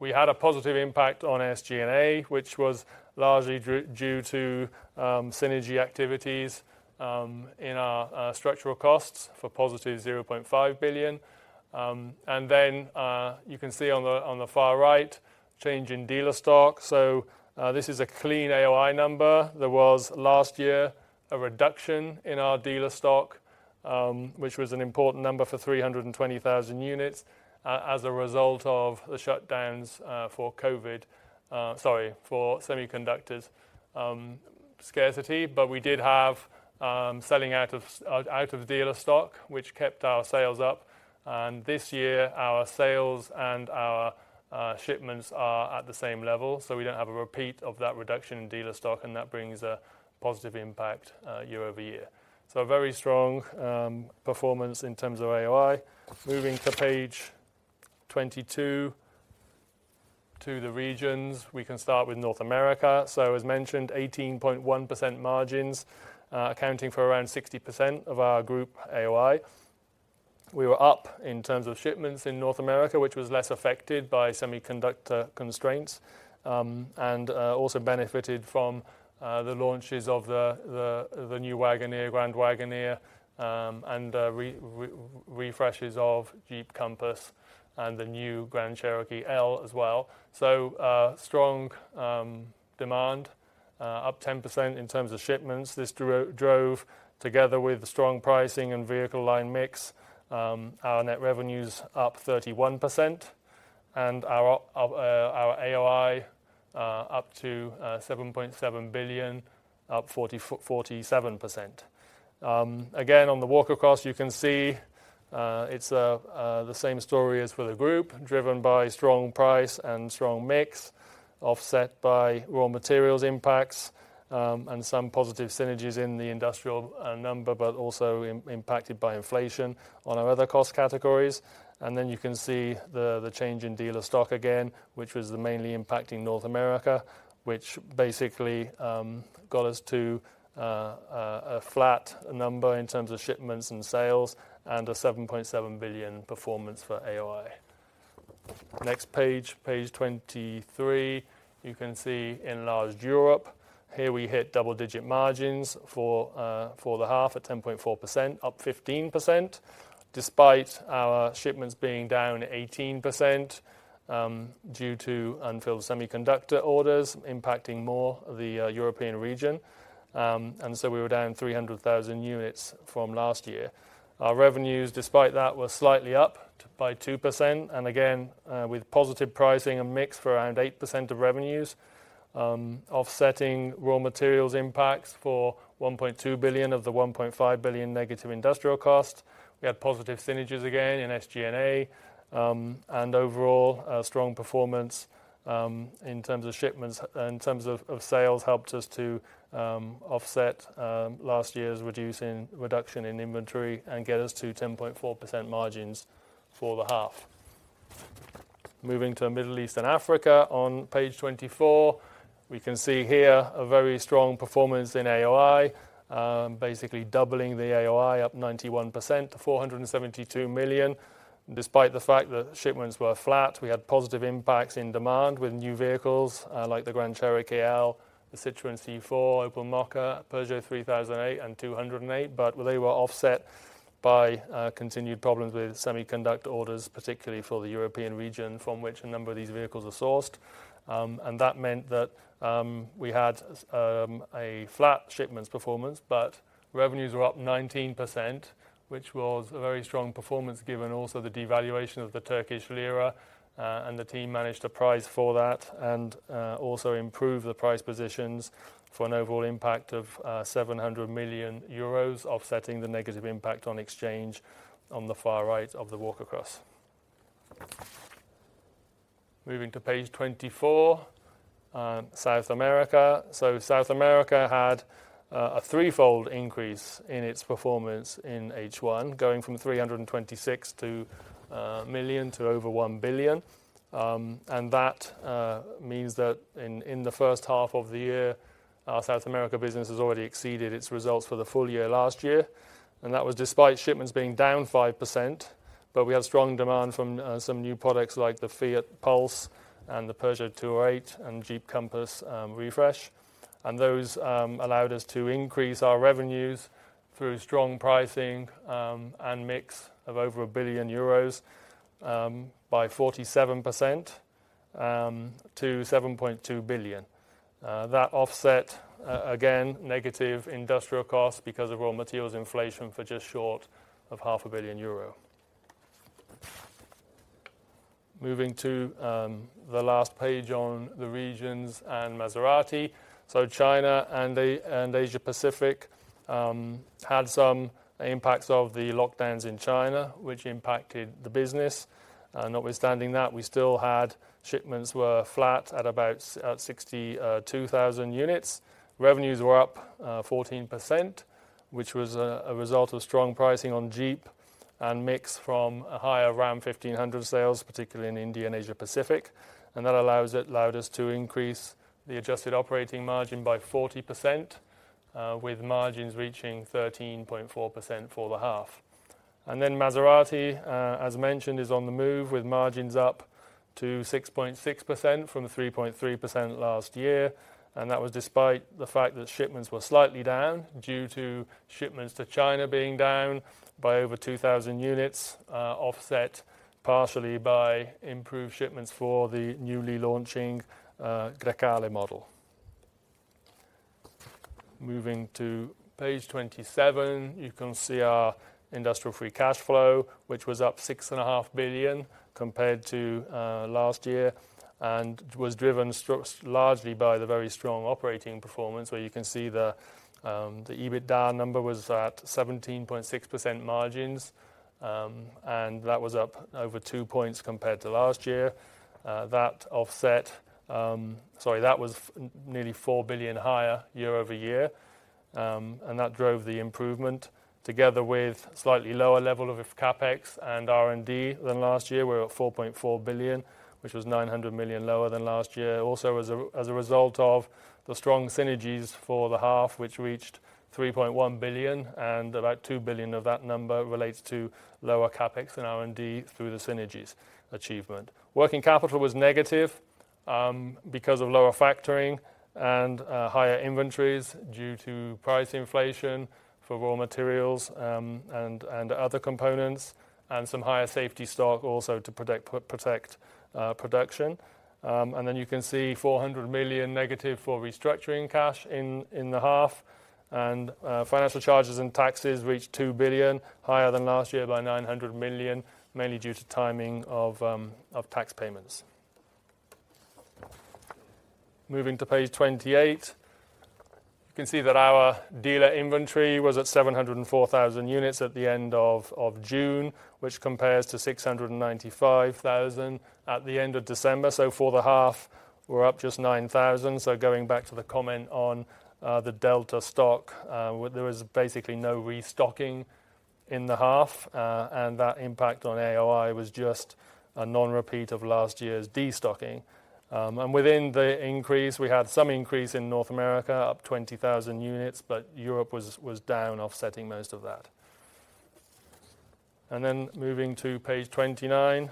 We had a positive impact on SG&A, which was largely due to synergy activities in our structural costs for 0.5 billion. You can see on the far right, change in dealer stock. This is a clean AOI number. There was last year a reduction in our dealer stock, which was an important number for 320,000 units, as a result of the shutdowns for semiconductors scarcity. We did have selling out of dealer stock, which kept our sales up. This year, our sales and our shipments are at the same level, so we don't have a repeat of that reduction in dealer stock, and that brings a positive impact year-over-year. A very strong performance in terms of AOI. Moving to page 22, to the regions. We can start with North America. As mentioned, 18.1% margins, accounting for around 60% of our group AOI. We were up in terms of shipments in North America, which was less affected by semiconductor constraints and also benefited from the launches of the new Wagoneer, Grand Wagoneer, and refreshes of Jeep Compass and the new Grand Cherokee L as well. Strong demand up 10% in terms of shipments. This drove together with strong pricing and vehicle line mix our net revenues up 31% and our AOI up to 7.7 billion, up 47%. Again, on the walk across, you can see it's the same story as for the group, driven by strong price and strong mix, offset by raw materials impacts, and some positive synergies in the industrial number, but also impacted by inflation on our other cost categories. You can see the change in dealer stock again, which was mainly impacting North America, which basically got us to a flat number in terms of shipments and sales and a 7.7 billion performance for AOI. Next page 23. You can see Enlarged Europe. Here we hit double-digit margins for the half at 10.4%, up 15%, despite our shipments being down 18%, due to unfilled semiconductor orders impacting more the European region. We were down 300,000 units from last year. Our revenues, despite that, were slightly up by 2%. Again, with positive pricing and mix for around 8% of revenues, offsetting raw materials impacts for 1.2 billion of the 1.5 billion negative industrial cost. We had positive synergies again in SG&A, and overall, strong performance in terms of shipments, in terms of sales helped us to offset last year's reduction in inventory and get us to 10.4% margins for the half. Moving to Middle East and Africa on page 24. We can see here a very strong performance in AOI, basically doubling the AOI up 91% to 472 million. Despite the fact that shipments were flat, we had positive impacts in demand with new vehicles like the Grand Cherokee L, the Citroën C4, Opel Mokka, Peugeot 3008 and 208. They were offset by continued problems with semiconductor orders, particularly for the European region from which a number of these vehicles are sourced. That meant that we had a flat shipments performance, but revenues were up 19%, which was a very strong performance given also the devaluation of the Turkish lira. The team managed to price for that and also improve the price positions for an overall impact of 700 million euros, offsetting the negative impact on exchange on the far right of the walk across. Moving to page 24, South America. South America had a threefold increase in its performance in H1, going from 326 million to over one billion. That means that in the H1 of the year, our South America business has already exceeded its results for the full year last year. That was despite shipments being down 5%. We have strong demand from some new products like the Fiat Pulse and the Peugeot 208 and Jeep Compass refresh. Those allowed us to increase our revenues through strong pricing and mix of over one billion euros by 47% to 7.2 billion. That offset again negative industrial costs because of raw materials inflation for just short of half a billion euro. Moving to the last page on the regions and Maserati. China and Asia Pacific had some impacts of the lockdowns in China, which impacted the business. Notwithstanding that, we still had shipments were flat at about 62,000 units. Revenues were up 14%, which was a result of strong pricing on Jeep and mix from a higher Ram 1500 sales, particularly in India and Asia Pacific. That allowed us to increase the adjusted operating margin by 40%, with margins reaching 13.4% for the half. Then Maserati, as mentioned, is on the move with margins up to 6.6% from the 3.3% last year. That was despite the fact that shipments were slightly down due to shipments to China being down by over 2,000 units, offset partially by improved shipments for the newly launching Grecale model. Moving to page 27, you can see our industrial free cash flow, which was up 6.5 billion compared to last year, and was driven largely by the very strong operating performance, where you can see the EBITDA number was at 17.6% margins, and that was up over two points compared to last year. That was nearly 4 billion higher year-over-year, and that drove the improvement together with slightly lower level of CapEx and R&D than last year. We're at 4.4 billion, which was 900 million lower than last year. Also, as a result of the strong synergies for the half, which reached 3.1 billion, and about two billion of that number relates to lower CapEx and R&D through the synergies achievement. Working capital was negative because of lower factoring and higher inventories due to price inflation for raw materials, and other components, and some higher safety stock also to protect production. You can see 400 million negative for restructuring cash in the half. Financial charges and taxes reached two billion, higher than last year by 900 million, mainly due to timing of tax payments. Moving to page 28, you can see that our dealer inventory was at 704,000 units at the end of June, which compares to 695,000 at the end of December. For the half, we're up just 9,000. Going back to the comment on the delta stock, there was basically no restocking in the half, and that impact on AOI was just a non-repeat of last year's destocking. Within the increase, we had some increase in North America, up 20,000 units, but Europe was down offsetting most of that. Moving to page 29,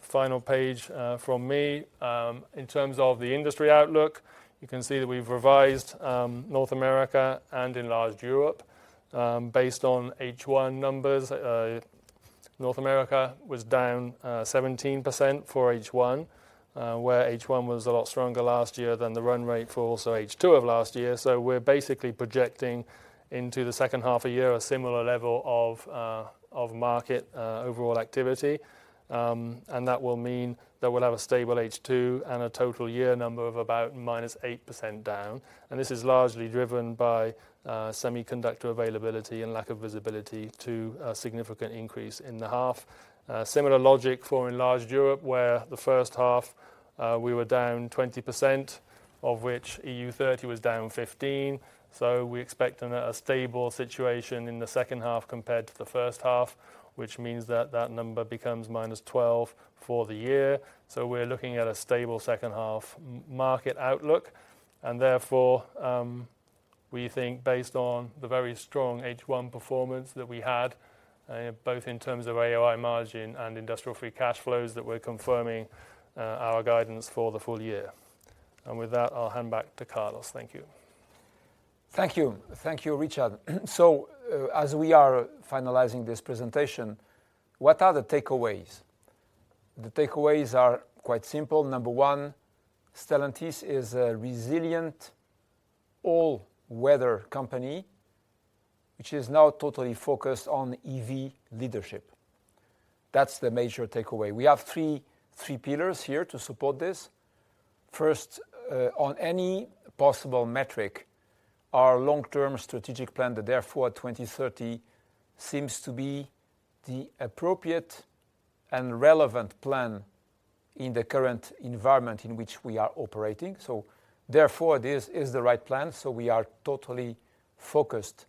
final page from me. In terms of the industry outlook, you can see that we've revised North America and enlarged Europe based on H1 numbers. North America was down 17% for H1, where H1 was a lot stronger last year than the run rate for H2 of last year. We're basically projecting into the H2 of the year a similar level of market overall activity. That will mean that we'll have a stable H2 and a total year number of about minus 8% down. This is largely driven by semiconductor availability and lack of visibility to a significant increase in the H2. Similar logic for Enlarged Europe, where the H1 we were down 20%, of which EU30 was down 15%. We expect a stable situation in the H2 compared to the H1, which means that that number becomes minus 12% for the year. We're looking at a stable H2 market outlook. Therefore, we think based on the very strong H1 performance that we had, both in terms of AOI margin and industrial free cash flows, that we're confirming our guidance for the full year. With that, I'll hand back to Carlos. Thank you. Thank you. Thank you, Richard. As we are finalizing this presentation, what are the takeaways? The takeaways are quite simple. Number one, Stellantis is a resilient all-weather company, which is now totally focused on EV leadership. That's the major takeaway. We have three pillars here to support this. First, on any possible metric, our long-term strategic plan, the Dare Forward 2030, seems to be the appropriate and relevant plan in the current environment in which we are operating. Therefore, this is the right plan. We are totally focused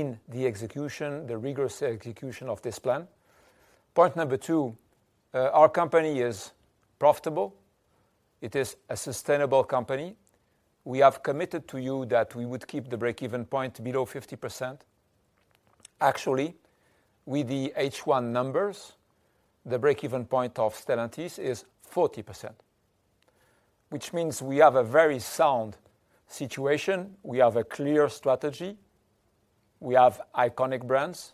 in the execution, the rigorous execution of this plan. Point number two, our company is profitable. It is a sustainable company. We have committed to you that we would keep the break-even point below 50%. Actually, with the H1 numbers, the break-even point of Stellantis is 40%, which means we have a very sound situation. We have a clear strategy. We have iconic brands.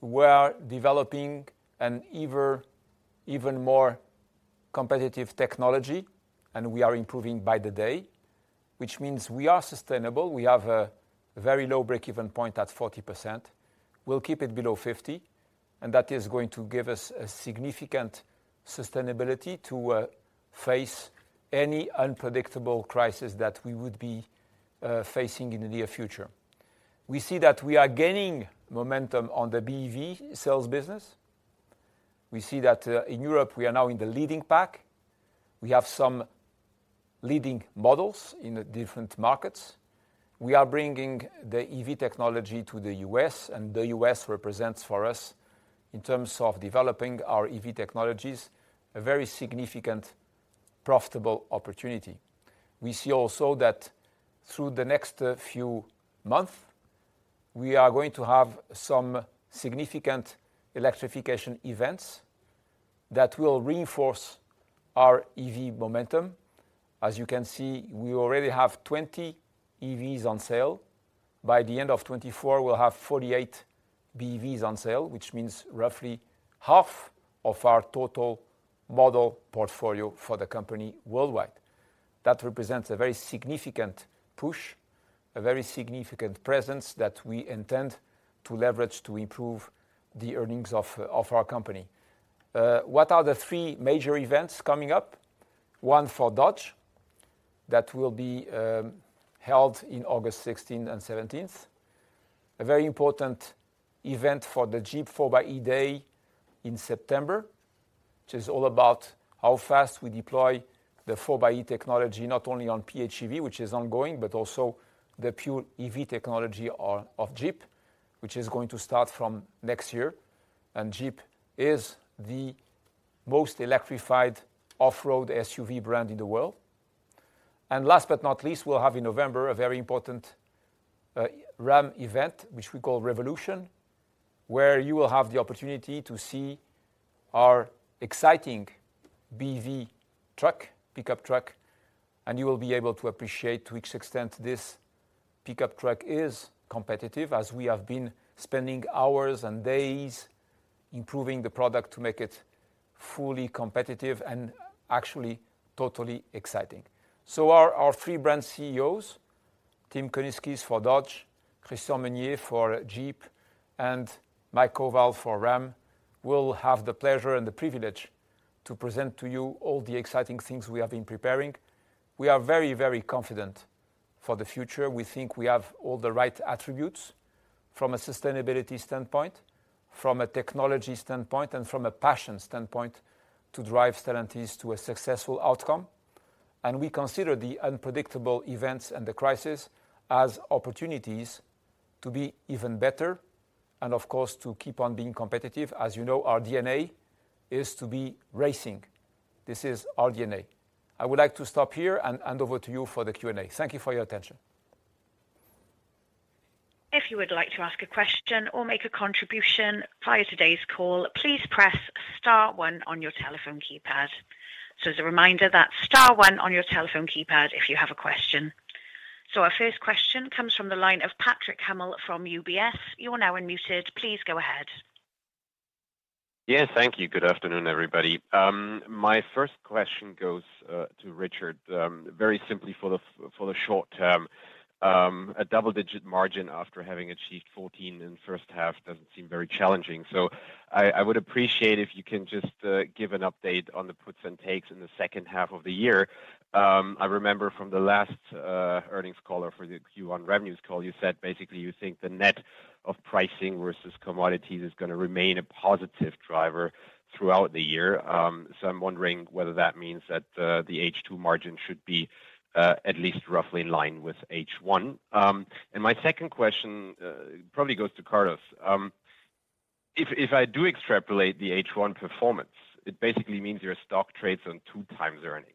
We are developing an ever even more competitive technology, and we are improving by the day. Which means we are sustainable. We have a very low breakeven point at 40%. We'll keep it below 50%, and that is going to give us a significant sustainability to face any unpredictable crisis that we would be facing in the near future. We see that we are gaining momentum on the BEV sales business. We see that in Europe, we are now in the leading pack. We have some leading models in the different markets. We are bringing the EV technology to the U.S., and the U.S. represents for us, in terms of developing our EV technologies, a very significant profitable opportunity. We see also that through the next few month, we are going to have some significant electrification events that will reinforce our EV momentum. As you can see, we already have 20 EVs on sale. By the end of 2024, we'll have 48 BEVs on sale, which means roughly half of our total model portfolio for the company worldwide. That represents a very significant push, a very significant presence that we intend to leverage to improve the earnings of our company. What are the three major events coming up? One for Dodge that will be held in August 16th and 17th. A very important event for the Jeep 4xe Day in September, which is all about how fast we deploy the 4xe technology, not only on PHEV, which is ongoing, but also the pure EV technology for Jeep, which is going to start from next year. Jeep is the most electrified off-road SUV brand in the world. Last but not least, we'll have in November a very important Ram event, which we call Revolution, where you will have the opportunity to see our exciting BEV truck, pickup truck, and you will be able to appreciate to which extent this pickup truck is competitive as we have been spending hours and days improving the product to make it fully competitive and actually totally exciting. Our three brand CEOs, Tim Kuniskis for Dodge, Christian Meunier for Jeep, and Mike Koval for Ram, will have the pleasure and the privilege to present to you all the exciting things we have been preparing. We are very, very confident for the future. We think we have all the right attributes from a sustainability standpoint, from a technology standpoint, and from a passion standpoint to drive Stellantis to a successful outcome. We consider the unpredictable events and the crisis as opportunities to be even better and of course, to keep on being competitive. As you know, our DNA is to be racing. This is our DNA. I would like to stop here and hand over to you for the Q&A. Thank you for your attention. If you would like to ask a question or make a contribution via today's call, please press star one on your telephone keypad. As a reminder, that's star one on your telephone keypad if you have a question. Our first question comes from the line of Patrick Hummel from UBS. You are now unmuted. Please go ahead. Yes, thank you. Good afternoon, everybody. My first question goes to Richard, very simply for the short term. A double-digit margin after having achieved 14 in H1 doesn't seem very challenging. I would appreciate if you can just give an update on the puts and takes in the H2 of the year. I remember from the last earnings call for the Q1 revenues call, you said basically you think the net of pricing versus commodities is gonna remain a positive driver throughout the year. I'm wondering whether that means that the H2 margin should be at least roughly in line with H1. My second question probably goes to Carlos. If I do extrapolate the H1 performance, it basically means your stock trades on 2x earnings.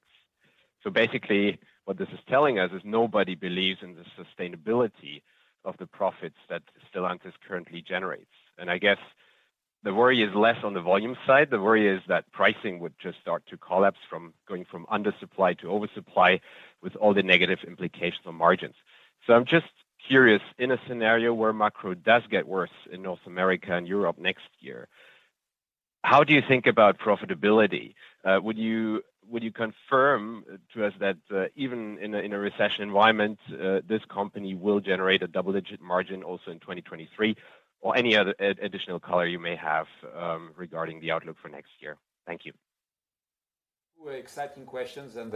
Basically, what this is telling us is nobody believes in the sustainability of the profits that Stellantis currently generates. I guess the worry is less on the volume side, the worry is that pricing would just start to collapse from going from undersupply to oversupply with all the negative implications on margins. I'm just curious, in a scenario where macro does get worse in North America and Europe next year, how do you think about profitability? Would you confirm to us that, even in a recession environment, this company will generate a double-digit margin also in 2023, or any other additional color you may have regarding the outlook for next year? Thank you. Two exciting questions, and,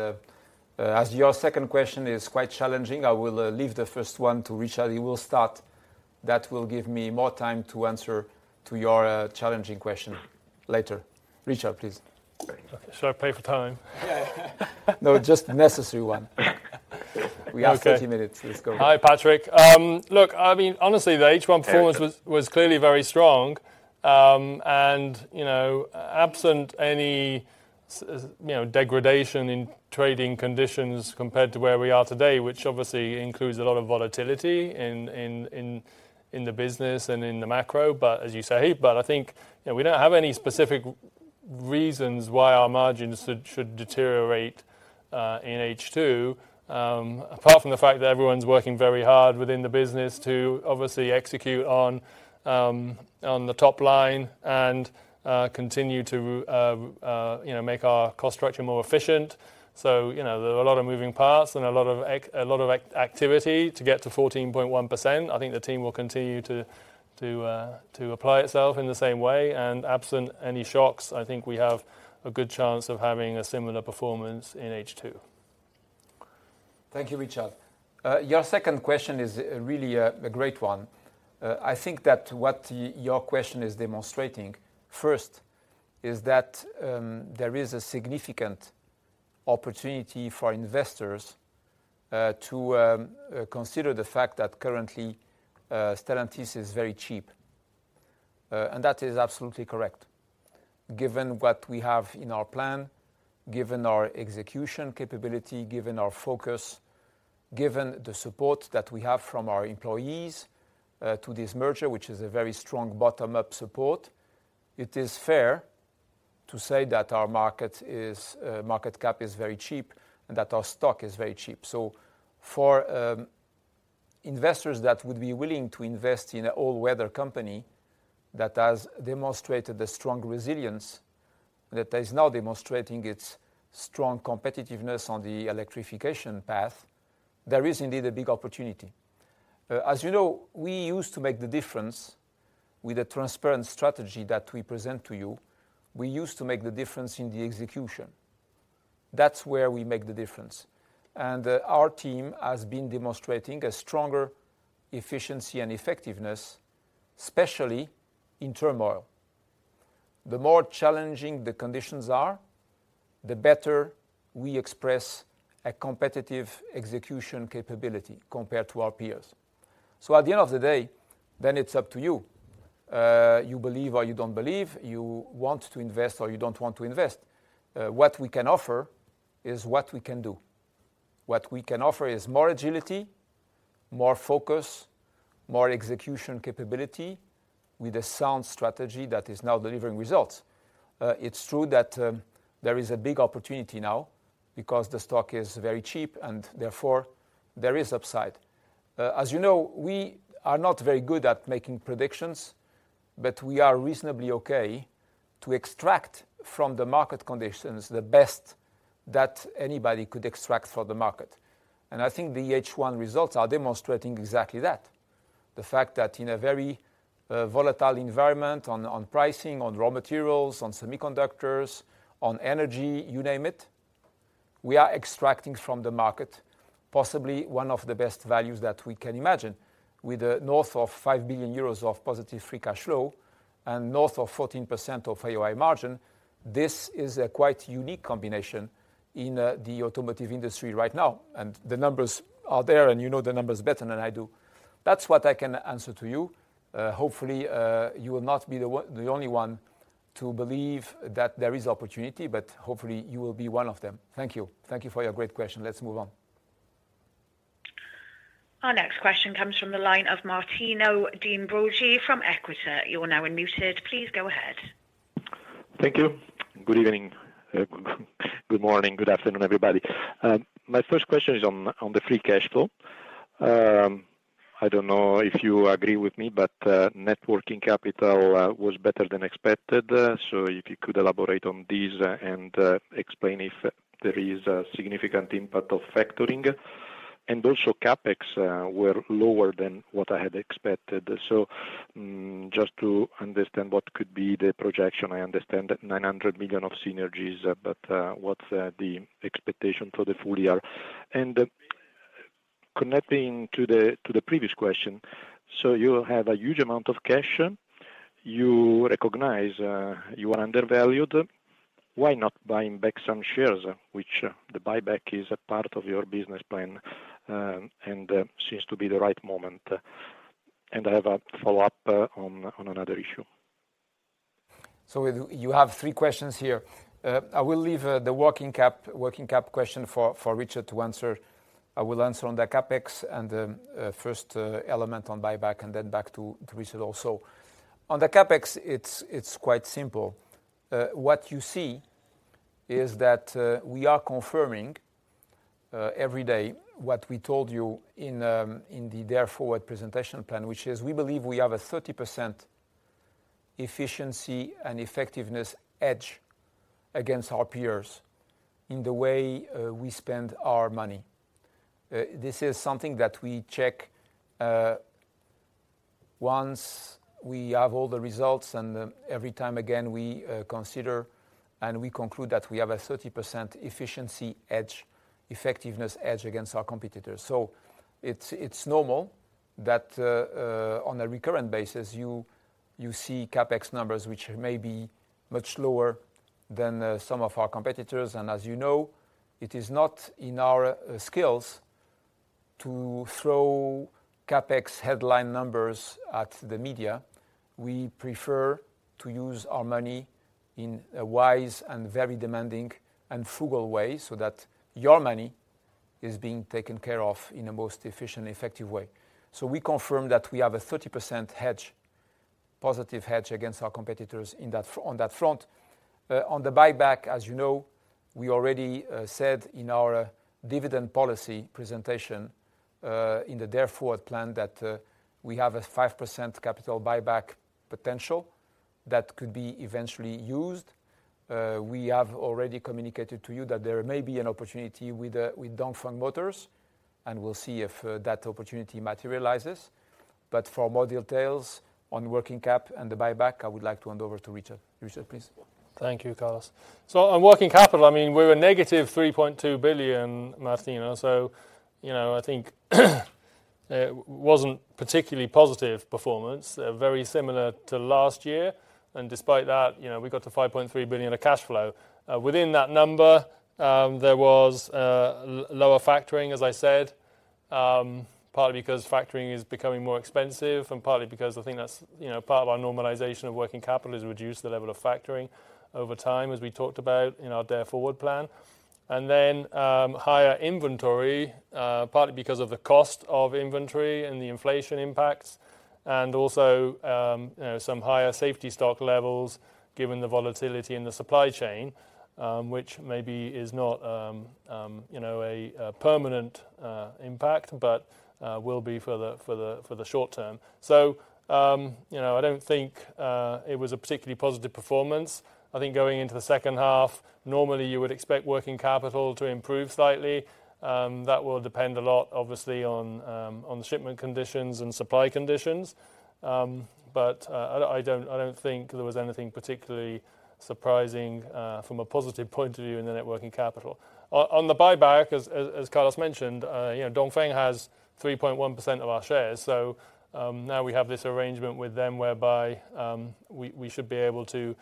as your second question is quite challenging, I will leave the first one to Richard. He will start. That will give me more time to answer to your challenging question later. Richard, please. Shall I pay for time? No, just necessary one. Okay. We have 30 minutes. Let's go. Hi, Patrick. Look, I mean, honestly, the H1 performance was clearly very strong. You know, absent any degradation in trading conditions compared to where we are today, which obviously includes a lot of volatility in the business and in the macro. As you say, I think, you know, we don't have any specific reasons why our margins should deteriorate in H2, apart from the fact that everyone's working very hard within the business to obviously execute on the top line and continue to you know, make our cost structure more efficient. You know, there are a lot of moving parts and a lot of activity to get to 14.1%. I think the team will continue to apply itself in the same way. Absent any shocks, I think we have a good chance of having a similar performance in H2. Thank you, Richard. Your second question is really a great one. I think that what your question is demonstrating, first, is that there is a significant opportunity for investors to consider the fact that currently Stellantis is very cheap. That is absolutely correct. Given what we have in our plan, given our execution capability, given our focus, given the support that we have from our employees to this merger, which is a very strong bottom-up support, it is fair to say that our market cap is very cheap and that our stock is very cheap. For investors that would be willing to invest in an all-weather company that has demonstrated a strong resilience, that is now demonstrating its strong competitiveness on the electrification path, there is indeed a big opportunity. As you know, we used to make the difference with a transparent strategy that we present to you. We used to make the difference in the execution. That's where we make the difference. Our team has been demonstrating a stronger efficiency and effectiveness, especially in turmoil. The more challenging the conditions are, the better we express a competitive execution capability compared to our peers. At the end of the day, it's up to you. You believe or you don't believe, you want to invest or you don't want to invest. What we can offer is what we can do. What we can offer is more agility, more focus, more execution capability with a sound strategy that is now delivering results. It's true that there is a big opportunity now because the stock is very cheap, and therefore, there is upside. As you know, we are not very good at making predictions, but we are reasonably okay to extract from the market conditions the best that anybody could extract for the market. I think the H1 results are demonstrating exactly that. The fact that in a very volatile environment on pricing, on raw materials, on semiconductors, on energy, you name it, we are extracting from the market possibly one of the best values that we can imagine. With north of five billion euros of positive free cash flow and north of 14% of AOI margin, this is a quite unique combination in the automotive industry right now. The numbers are there, and you know the numbers better than I do. That's what I can answer to you. Hopefully, you will not be the only one to believe that there is opportunity, but hopefully, you will be one of them. Thank you. Thank you for your great question. Let's move on. Our next question comes from the line of Martino De Ambroggi from Equita. You're now unmuted. Please go ahead. Thank you. Good evening. Good morning, good afternoon, everybody. My first question is on the free cash flow. I don't know if you agree with me, but net working capital was better than expected. If you could elaborate on this and explain if there is a significant impact of factoring. Also, CapEx were lower than what I had expected. Just to understand what could be the projection. I understand that 900 million of synergies, but what's the expectation for the full year? Connecting to the previous question, you have a huge amount of cash. You recognize you are undervalued. Why not buying back some shares, which the buyback is a part of your business plan, and seems to be the right moment? I have a follow-up on another issue. You have three questions here. I will leave the working cap question for Richard to answer. I will answer on the CapEx and the first element on buyback and then back to Richard also. On the CapEx, it's quite simple. What you see is that we are confirming every day what we told you in the Dare Forward presentation plan, which is we believe we have a 30% efficiency and effectiveness edge against our peers in the way we spend our money. This is something that we check once we have all the results, and every time again, we consider and we conclude that we have a 30% efficiency edge, effectiveness edge against our competitors. It's normal that on a recurrent basis, you see CapEx numbers which may be much lower than some of our competitors. As you know, it is not in our skills to throw CapEx headline numbers at the media. We prefer to use our money in a wise and very demanding and frugal way so that your money is being taken care of in a most efficient and effective way. We confirm that we have a 30% hedge, positive hedge against our competitors on that front. On the buyback, as you know, we already said in our dividend policy presentation in the Dare Forward plan that we have a 5% capital buyback potential that could be eventually used. We have already communicated to you that there may be an opportunity with Dongfeng Motor Corporation, and we'll see if that opportunity materializes. For more details on working cap and the buyback, I would like to hand over to Richard. Richard, please. Thank you, Carlos. On working capital, I mean, we're negative 3.2 billion, Martino. You know, I think it wasn't particularly positive performance, very similar to last year. Despite that, you know, we got to 5.3 billion of cash flow. Within that number, there was lower factoring, as I said, partly because factoring is becoming more expensive and partly because I think that's, you know, part of our normalization of working capital is reduce the level of factoring over time, as we talked about in our Dare Forward plan. Higher inventory, partly because of the cost of inventory and the inflation impacts, and also, you know, some higher safety stock levels given the volatility in the supply chain, which maybe is not, you know, a permanent impact, but will be for the short term. You know, I don't think it was a particularly positive performance. I think going into the H2, normally you would expect working capital to improve slightly. That will depend a lot, obviously, on the shipment conditions and supply conditions. I don't think there was anything particularly surprising from a positive point of view in the net working capital. On the buyback, as Carlos mentioned, you know, Dongfeng has 3.1% of our shares. Now we have this arrangement with them whereby we should be able to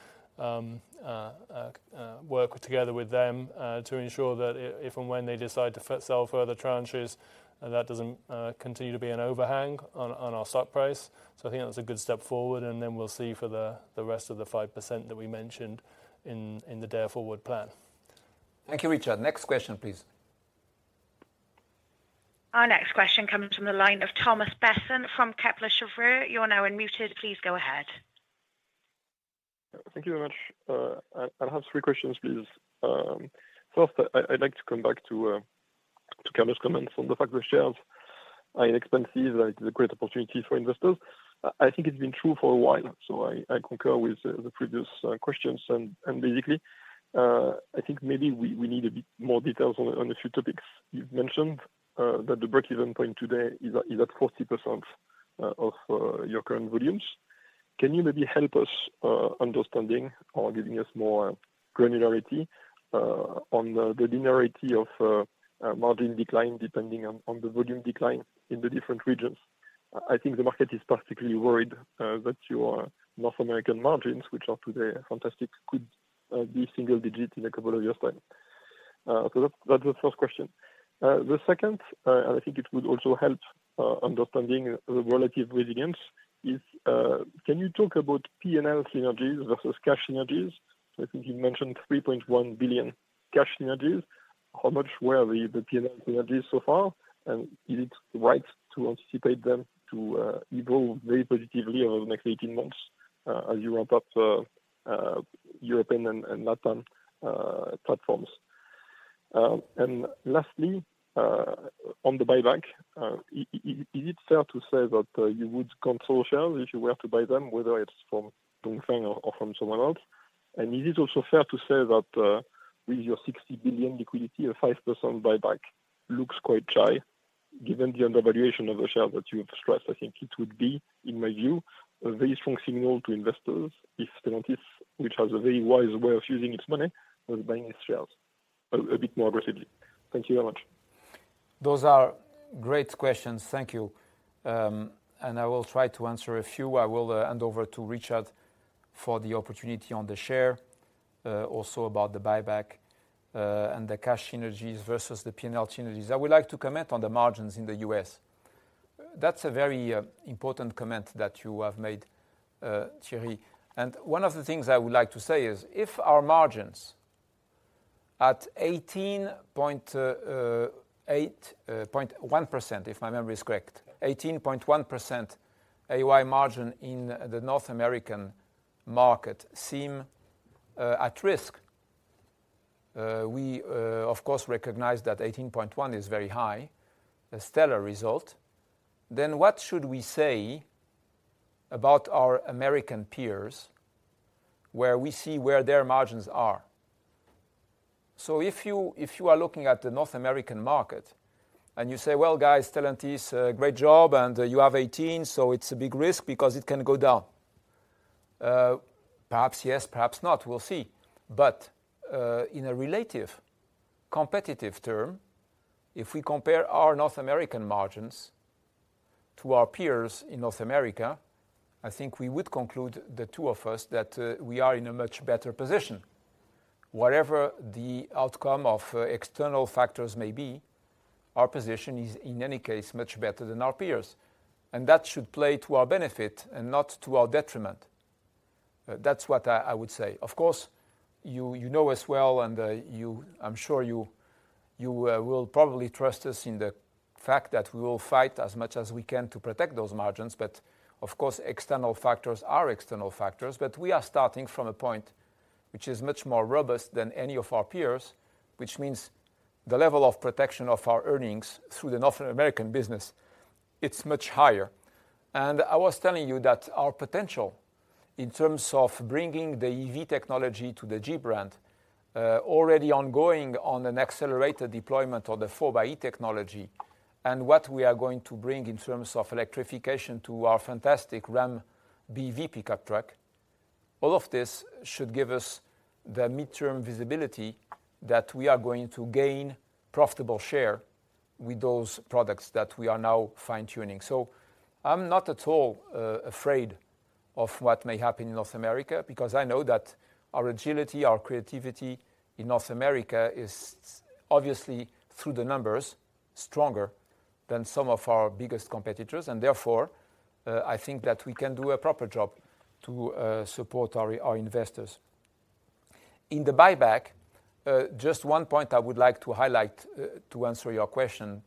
work together with them to ensure that if and when they decide to sell further tranches, that doesn't continue to be an overhang on our stock price. I think that's a good step forward, and then we'll see for the rest of the 5% that we mentioned in the Dare Forward plan. Thank you, Richard. Next question, please. Our next question comes from the line of Thomas Besson from Kepler Cheuvreux. You are now unmuted. Please go ahead. Thank you very much. I have three questions, please. First, I'd like to come back to Carlos' comments on the fact that shares are inexpensive, that it's a great opportunity for investors. I think it's been true for a while, so I concur with the previous questions. Basically, I think maybe we need a bit more details on a few topics. You've mentioned that the break-even point today is at 40% of your current volumes. Can you maybe help us understanding or giving us more granularity on the linearity of margin decline depending on the volume decline in the different regions? I think the market is particularly worried that your North American margins, which are today fantastic, could be single digit in a couple of years' time. That's the first question. The second, I think it would also help understanding the relative resilience is, can you talk about P&L synergies versus cash synergies? I think you mentioned 3.1 billion cash synergies. How much were the P&L synergies so far, and is it right to anticipate them to evolve very positively over the next 18 months, as you ramp up European and Latin platforms? Lastly, on the buyback, is it fair to say that you would cancel shares if you were to buy them, whether it's from Dongfeng or from someone else? Is it also fair to say that with your 60 billion liquidity, a 5% buyback looks quite shy given the undervaluation of the share that you have stressed? I think it would be, in my view, a very strong signal to investors if Stellantis, which has a very wise way of using its money, was buying its shares a bit more aggressively. Thank you very much. Those are great questions. Thank you. I will try to answer a few. I will hand over to Richard for the opportunity on the share, also about the buyback, and the cash synergies versus the P&L synergies. I would like to comment on the margins in the U.S. That's a very important comment that you have made, Thierry. One of the things I would like to say is if our margins at 18.1%, if my memory is correct, 18.1% AOI margin in the North American market seem at risk, we of course recognize that 18.1 is very high, a stellar result. Then what should we say about our American peers, where we see their margins are? If you are looking at the North American market and you say, "Well, guys, Stellantis, great job, and you have 18%, so it's a big risk because it can go down." Perhaps yes, perhaps not. We'll see. In a relative competitive terms, if we compare our North American margins to our peers in North America, I think we would conclude, the two of us, that we are in a much better position. Whatever the outcome of external factors may be, our position is, in any case, much better than our peers. That should play to our benefit and not to our detriment. That's what I would say. Of course, you know us well, and you. I'm sure you will probably trust us in the fact that we will fight as much as we can to protect those margins. Of course, external factors are external factors. We are starting from a point which is much more robust than any of our peers, which means the level of protection of our earnings through the North American business, it's much higher. I was telling you that our potential in terms of bringing the EV technology to the Jeep brand, already ongoing on an accelerated deployment of the 4xe technology, and what we are going to bring in terms of electrification to our fantastic Ram BEV pickup truck, all of this should give us the midterm visibility that we are going to gain profitable share with those products that we are now fine-tuning. I'm not at all afraid of what may happen in North America because I know that our agility, our creativity in North America is obviously, through the numbers, stronger than some of our biggest competitors, and therefore, I think that we can do a proper job to support our investors. In the buyback, just one point I would like to highlight to answer your question,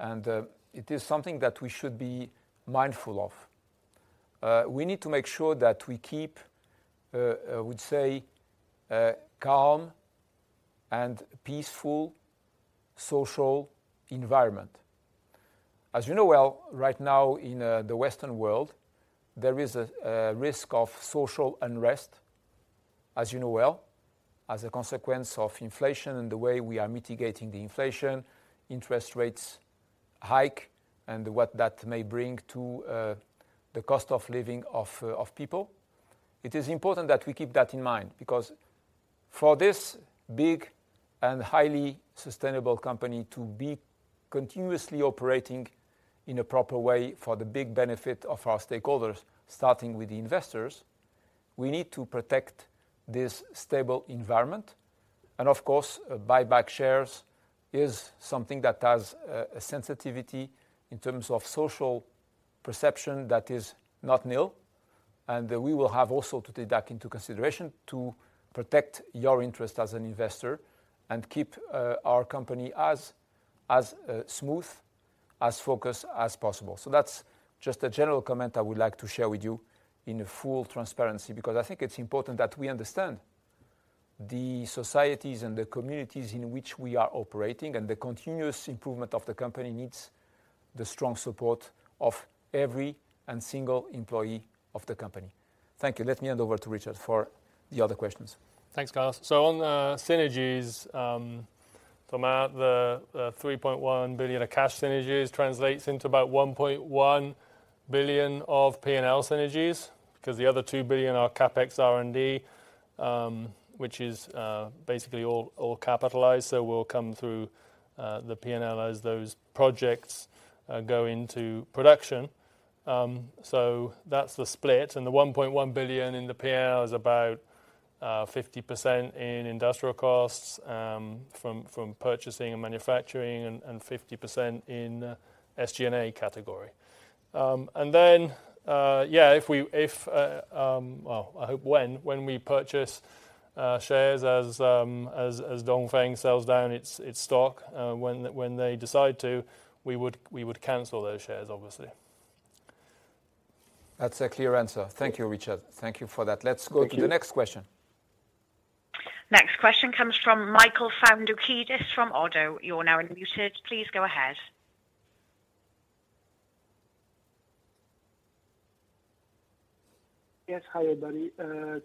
and it is something that we should be mindful of. We need to make sure that we keep, I would say, a calm and peaceful social environment. As you know well, right now in the Western world, there is a risk of social unrest, as you know well, as a consequence of inflation and the way we are mitigating the inflation, interest rates hike, and what that may bring to the cost of living of people. It is important that we keep that in mind because for this big and highly sustainable company to be continuously operating in a proper way for the big benefit of our stakeholders, starting with the investors, we need to protect this stable environment. Of course, buy back shares is something that has a sensitivity in terms of social perception that is not nil, and we will have also to take that into consideration to protect your interest as an investor and keep our company as smooth, as focused as possible. That's just a general comment I would like to share with you in full transparency because I think it's important that we understand the societies and the communities in which we are operating, and the continuous improvement of the company needs the strong support of every and single employee of the company. Thank you. Let me hand over to Richard for the other questions. Thanks, Carlos. On the synergies from the 3.1 billion of cash synergies translates into about 1.1 billion of P&L synergies because the other two billion are CapEx R&D, which is basically all capitalized. Will come through the P&L as those projects go into production. That's the split. The 1.1 billion in the P&L is about 50% in industrial costs from purchasing and manufacturing and 50% in SG&A category. Well, I hope when we purchase shares as Dongfeng sells down its stock when they decide to, we would cancel those shares, obviously. That's a clear answer. Thank you, Richard. Thank you for that. Thank you. Let's go to the next question. Next question comes from Michael Foundoukidis from ODDO. You're now unmuted. Please go ahead. Yes. Hi, everybody.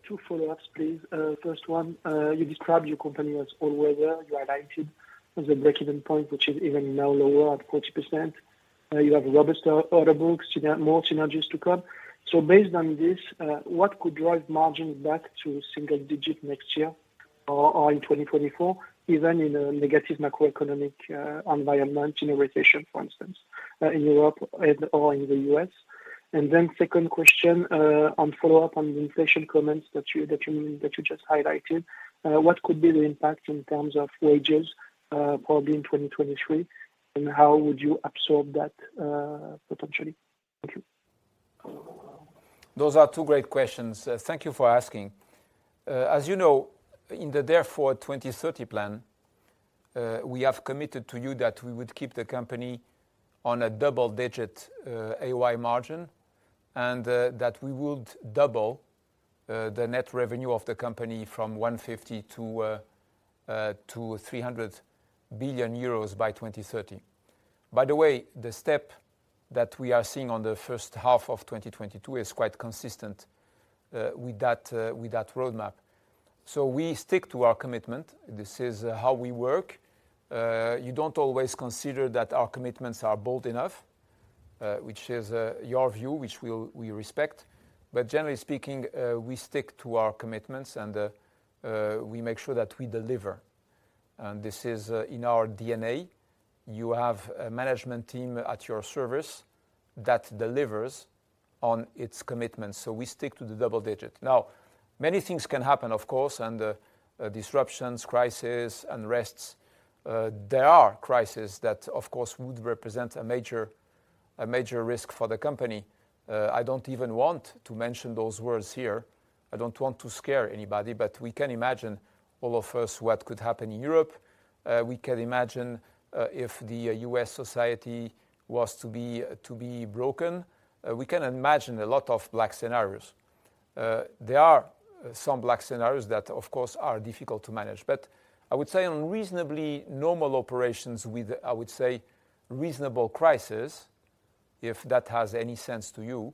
Two follow-ups, please. First one, you described your company as all weather. You highlighted a break-even point, which is even now lower at 40%. You have a robust order books, synergies, more synergies to come. Based on this, what could drive margins back to single digit next year or in 2024, even in a negative macroeconomic environment, in a recession, for instance, in Europe or in the U.S.? Then second question, on follow-up on the inflation comments that you just highlighted, what could be the impact in terms of wages, probably in 2023, and how would you absorb that, potentially? Thank you. Those are two great questions. Thank you for asking. As you know, in the Dare Forward 2030 plan, we have committed to you that we would keep the company on a double-digit AOI margin, and that we would double the net revenue of the company from 150 billion to 300 billion euros by 2030. By the way, the step that we are seeing in the H1 of 2022 is quite consistent with that roadmap. We stick to our commitment. This is how we work. You don't always consider that our commitments are bold enough, which is your view, which we respect. Generally speaking, we stick to our commitments and we make sure that we deliver. This is in our DNA. You have a management team at your service that delivers on its commitments, so we stick to the double digit. Now, many things can happen, of course, and disruptions, crisis, unrest. There are crises that, of course, would represent a major risk for the company. I don't even want to mention those words here. I don't want to scare anybody, but we can imagine all of us what could happen in Europe. We can imagine if the U.S. society was to be broken. We can imagine a lot of black scenarios. There are some black scenarios that, of course, are difficult to manage. I would say on reasonably normal operations with, I would say, reasonable crisis, if that has any sense to you,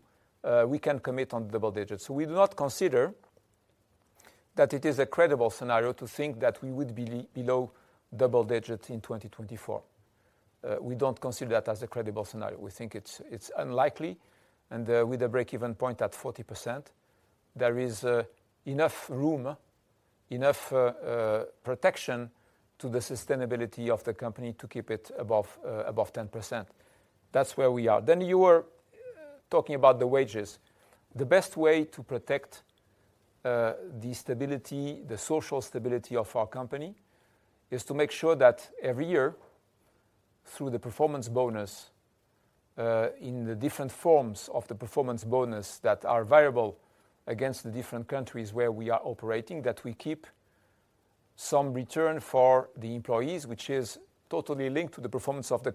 we can commit on double digits. We do not consider that it is a credible scenario to think that we would be below double digits in 2024. We don't consider that as a credible scenario. We think it's unlikely, and with a break-even point at 40%, there is enough room, enough protection to the sustainability of the company to keep it above 10%. That's where we are. You were talking about the wages. The best way to protect the stability, the social stability of our company is to make sure that every year, through the performance bonus, in the different forms of the performance bonus that are variable against the different countries where we are operating, that we keep some return for the employees, which is totally linked to the performance of the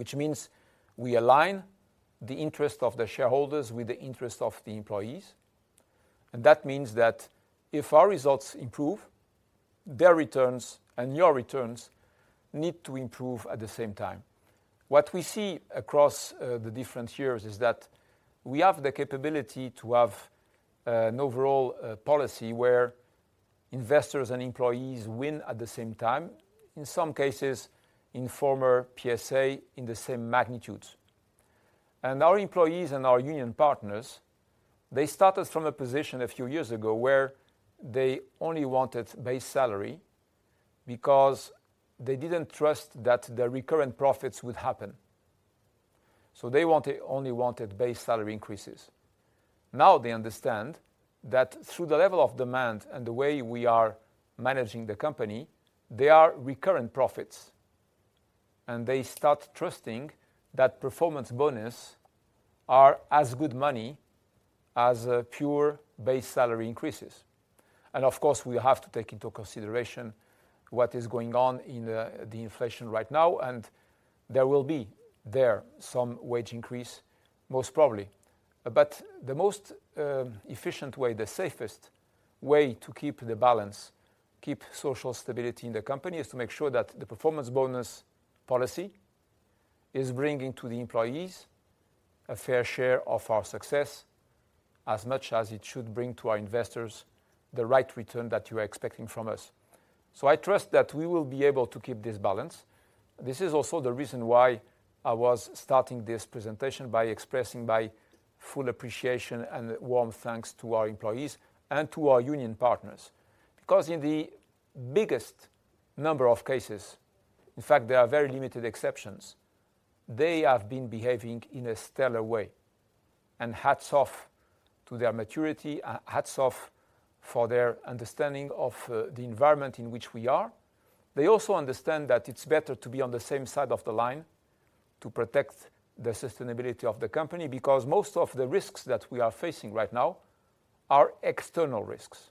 company. Which means we align the interest of the shareholders with the interest of the employees. That means that if our results improve, their returns and your returns need to improve at the same time. What we see across the different years is that we have the capability to have an overall policy where investors and employees win at the same time, in some cases, in former PSA, in the same magnitude. Our employees and our union partners, they started from a position a few years ago where they only wanted base salary because they didn't trust that the recurrent profits would happen. They only wanted base salary increases. Now they understand that through the level of demand and the way we are managing the company, there are recurrent profits. They start trusting that performance bonus are as good money as pure base salary increases. Of course, we have to take into consideration what is going on in the inflation right now, and there will be some wage increase, most probably. The most efficient way, the safest way to keep the balance, keep social stability in the company is to make sure that the performance bonus policy is bringing to the employees a fair share of our success as much as it should bring to our investors the right return that you are expecting from us. I trust that we will be able to keep this balance. This is also the reason why I was starting this presentation by expressing my full appreciation and warm thanks to our employees and to our union partners. Because in the biggest number of cases, in fact, there are very limited exceptions, they have been behaving in a stellar way. Hats off to their maturity, hats off for their understanding of the environment in which we are. They also understand that it's better to be on the same side of the line to protect the sustainability of the company, because most of the risks that we are facing right now are external risks.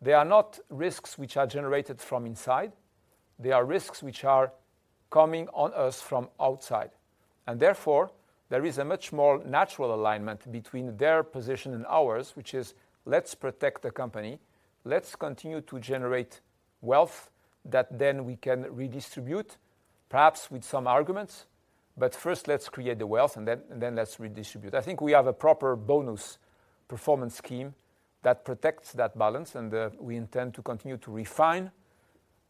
They are not risks which are generated from inside. They are risks which are coming on us from outside. Therefore, there is a much more natural alignment between their position and ours, which is, let's protect the company. Let's continue to generate wealth that then we can redistribute, perhaps with some arguments. But first, let's create the wealth, and then let's redistribute. I think we have a proper bonus performance scheme that protects that balance, and we intend to continue to refine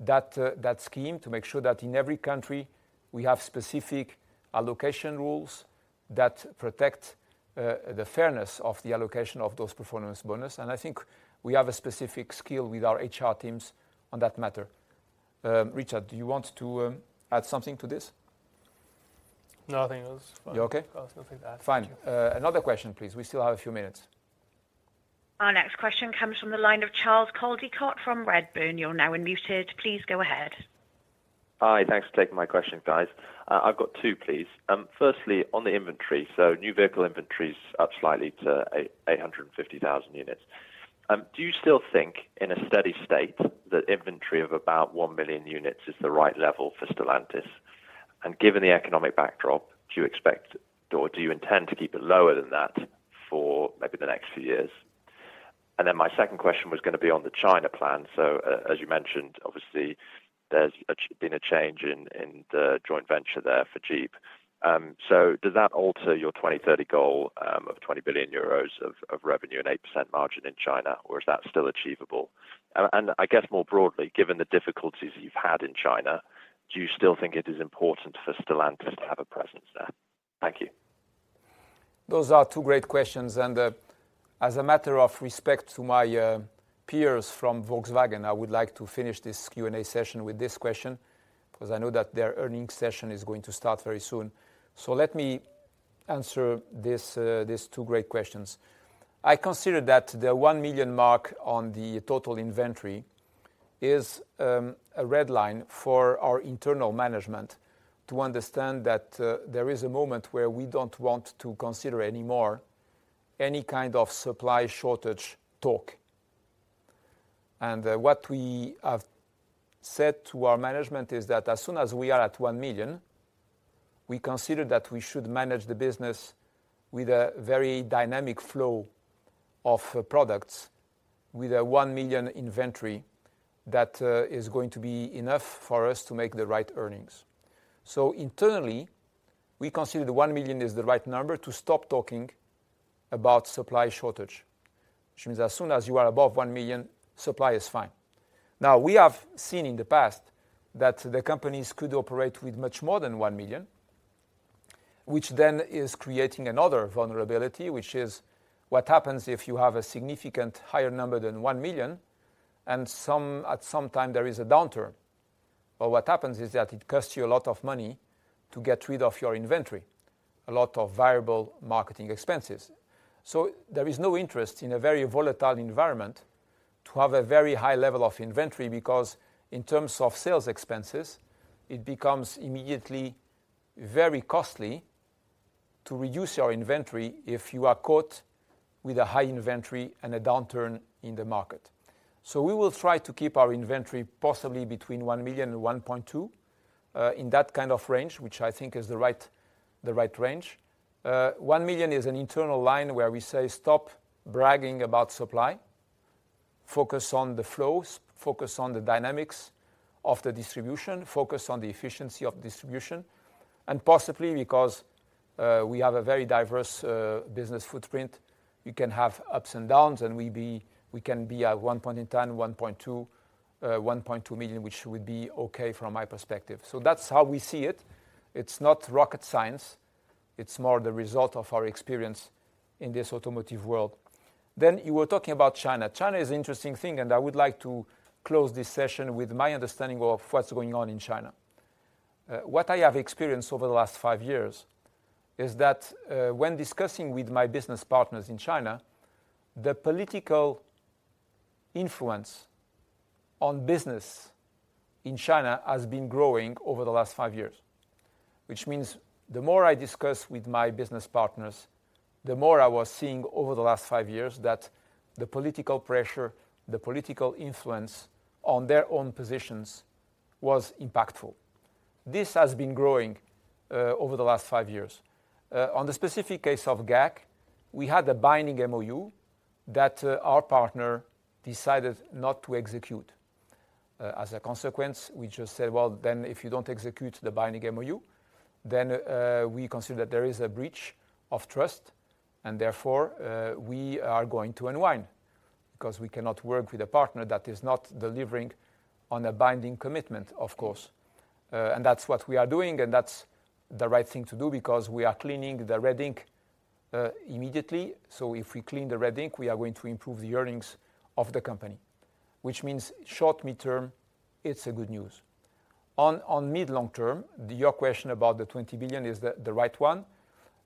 that scheme to make sure that in every country we have specific allocation rules that protect the fairness of the allocation of those performance bonus. I think we have a specific skill with our HR teams on that matter. Richard, do you want to add something to this? No, I think it was fine. You okay? I've got nothing to add. Thank you. Fine. Another question, please. We still have a few minutes. Our next question comes from the line of Charles Coldicott from Redburn. You're now unmuted. Please go ahead. Hi. Thanks for taking my questions, guys. I've got two, please. Firstly, on the inventory. New vehicle inventory is up slightly to 850,000 units. Do you still think in a steady state that inventory of about one million units is the right level for Stellantis? Given the economic backdrop, do you expect or do you intend to keep it lower than that for maybe the next few years? My second question was gonna be on the China plan. As you mentioned, obviously, there's been a change in the joint venture there for Jeep. Does that alter your 2030 goal of 20 billion euros of revenue and 8% margin in China, or is that still achievable? I guess more broadly, given the difficulties you've had in China, do you still think it is important for Stellantis to have a presence there? Thank you. Those are two great questions. As a matter of respect to my peers from Volkswagen, I would like to finish this Q&A session with this question, because I know that their earnings session is going to start very soon. Let me answer these two great questions. I consider that the one million mark on the total inventory is a red line for our internal management to understand that there is a moment where we don't want to consider anymore any kind of supply shortage talk. What we have said to our management is that as soon as we are at one million, we consider that we should manage the business with a very dynamic flow of products with a one million inventory that is going to be enough for us to make the right earnings. Internally, we consider the one million is the right number to stop talking about supply shortage, which means as soon as you are above one million, supply is fine. Now, we have seen in the past that the companies could operate with much more than one million, which then is creating another vulnerability, which is what happens if you have a significantly higher number than one million and at some time there is a downturn. Well, what happens is that it costs you a lot of money to get rid of your inventory, a lot of variable marketing expenses. There is no interest in a very volatile environment to have a very high level of inventory because in terms of sales expenses, it becomes immediately very costly to reduce your inventory if you are caught with a high inventory and a downturn in the market. We will try to keep our inventory possibly between one million and 1.2 million, in that kind of range, which I think is the right range. One million is an internal line where we say, "Stop bragging about supply. Focus on the flows. Focus on the dynamics of the distribution. Focus on the efficiency of distribution." Possibly because we have a very diverse business footprint, you can have ups and downs, and we can be at one point in time, 1.2 million, which would be okay from my perspective. That's how we see it. It's not rocket science. It's more the result of our experience in this automotive world. You were talking about China. China is an interesting thing, and I would like to close this session with my understanding of what's going on in China. What I have experienced over the last five years is that, when discussing with my business partners in China, the political influence on business in China has been growing over the last five years. Which means the more I discuss with my business partners, the more I was seeing over the last five years that the political pressure, the political influence on their own positions was impactful. This has been growing over the last five years. On the specific case of GAC, we had a binding MoU that, our partner decided not to execute. As a consequence, we just said, "Well, then if you don't execute the binding MOU, then we consider there is a breach of trust, and therefore we are going to unwind because we cannot work with a partner that is not delivering on a binding commitment, of course." And that's what we are doing, and that's the right thing to do because we are cleaning the red ink immediately. If we clean the red ink, we are going to improve the earnings of the company, which means short, midterm, it's a good news. On mid, long term, your question about the 20 billion is the right one.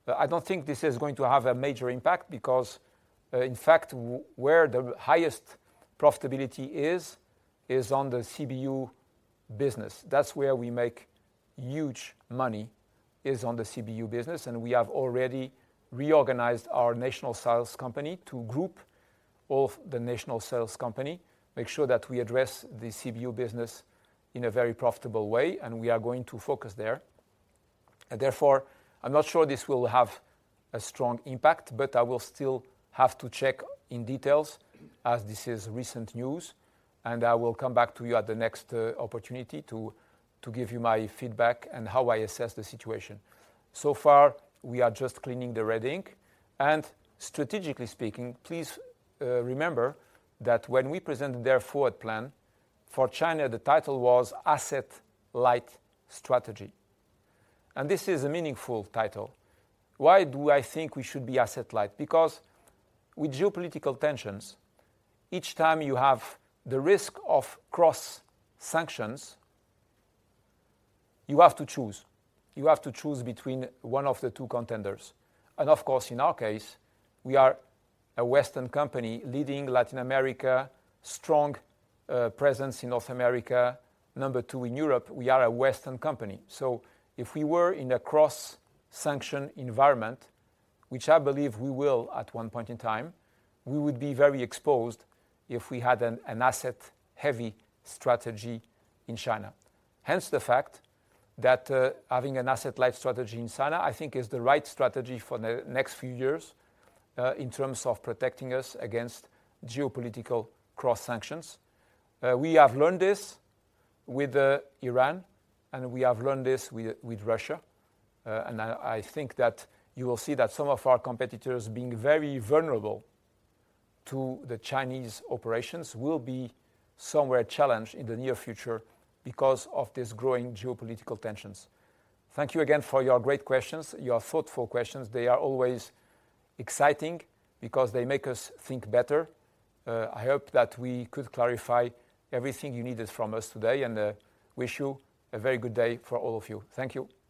I don't think this is going to have a major impact because, in fact, where the highest profitability is on the CBU business. That's where we make huge money, is on the CBU business, and we have already reorganized our national sales company to group all the national sales company, make sure that we address the CBU business in a very profitable way, and we are going to focus there. Therefore, I'm not sure this will have a strong impact, but I will still have to check in details as this is recent news, and I will come back to you at the next opportunity to give you my feedback and how I assess the situation. So far, we are just cleaning the red ink. Strategically speaking, please remember that when we presented Dare Forward plan for China, the title was Asset Light Strategy. This is a meaningful title. Why do I think we should be asset light? Because with geopolitical tensions, each time you have the risk of cross sanctions, you have to choose. You have to choose between one of the two contenders. Of course, in our case, we are a Western company leading Latin America, strong presence in North America, number two in Europe. We are a Western company. If we were in a cross sanction environment, which I believe we will at one point in time, we would be very exposed if we had an asset-heavy strategy in China. Hence, the fact that having an asset light strategy in China, I think is the right strategy for the next few years in terms of protecting us against geopolitical cross sanctions. We have learned this with Iran, and we have learned this with Russia. I think that you will see that some of our competitors being very vulnerable to the Chinese operations will be somewhere challenged in the near future because of this growing geopolitical tensions. Thank you again for your great questions, your thoughtful questions. They are always exciting because they make us think better. I hope that we could clarify everything you needed from us today, and wish you a very good day for all of you. Thank you.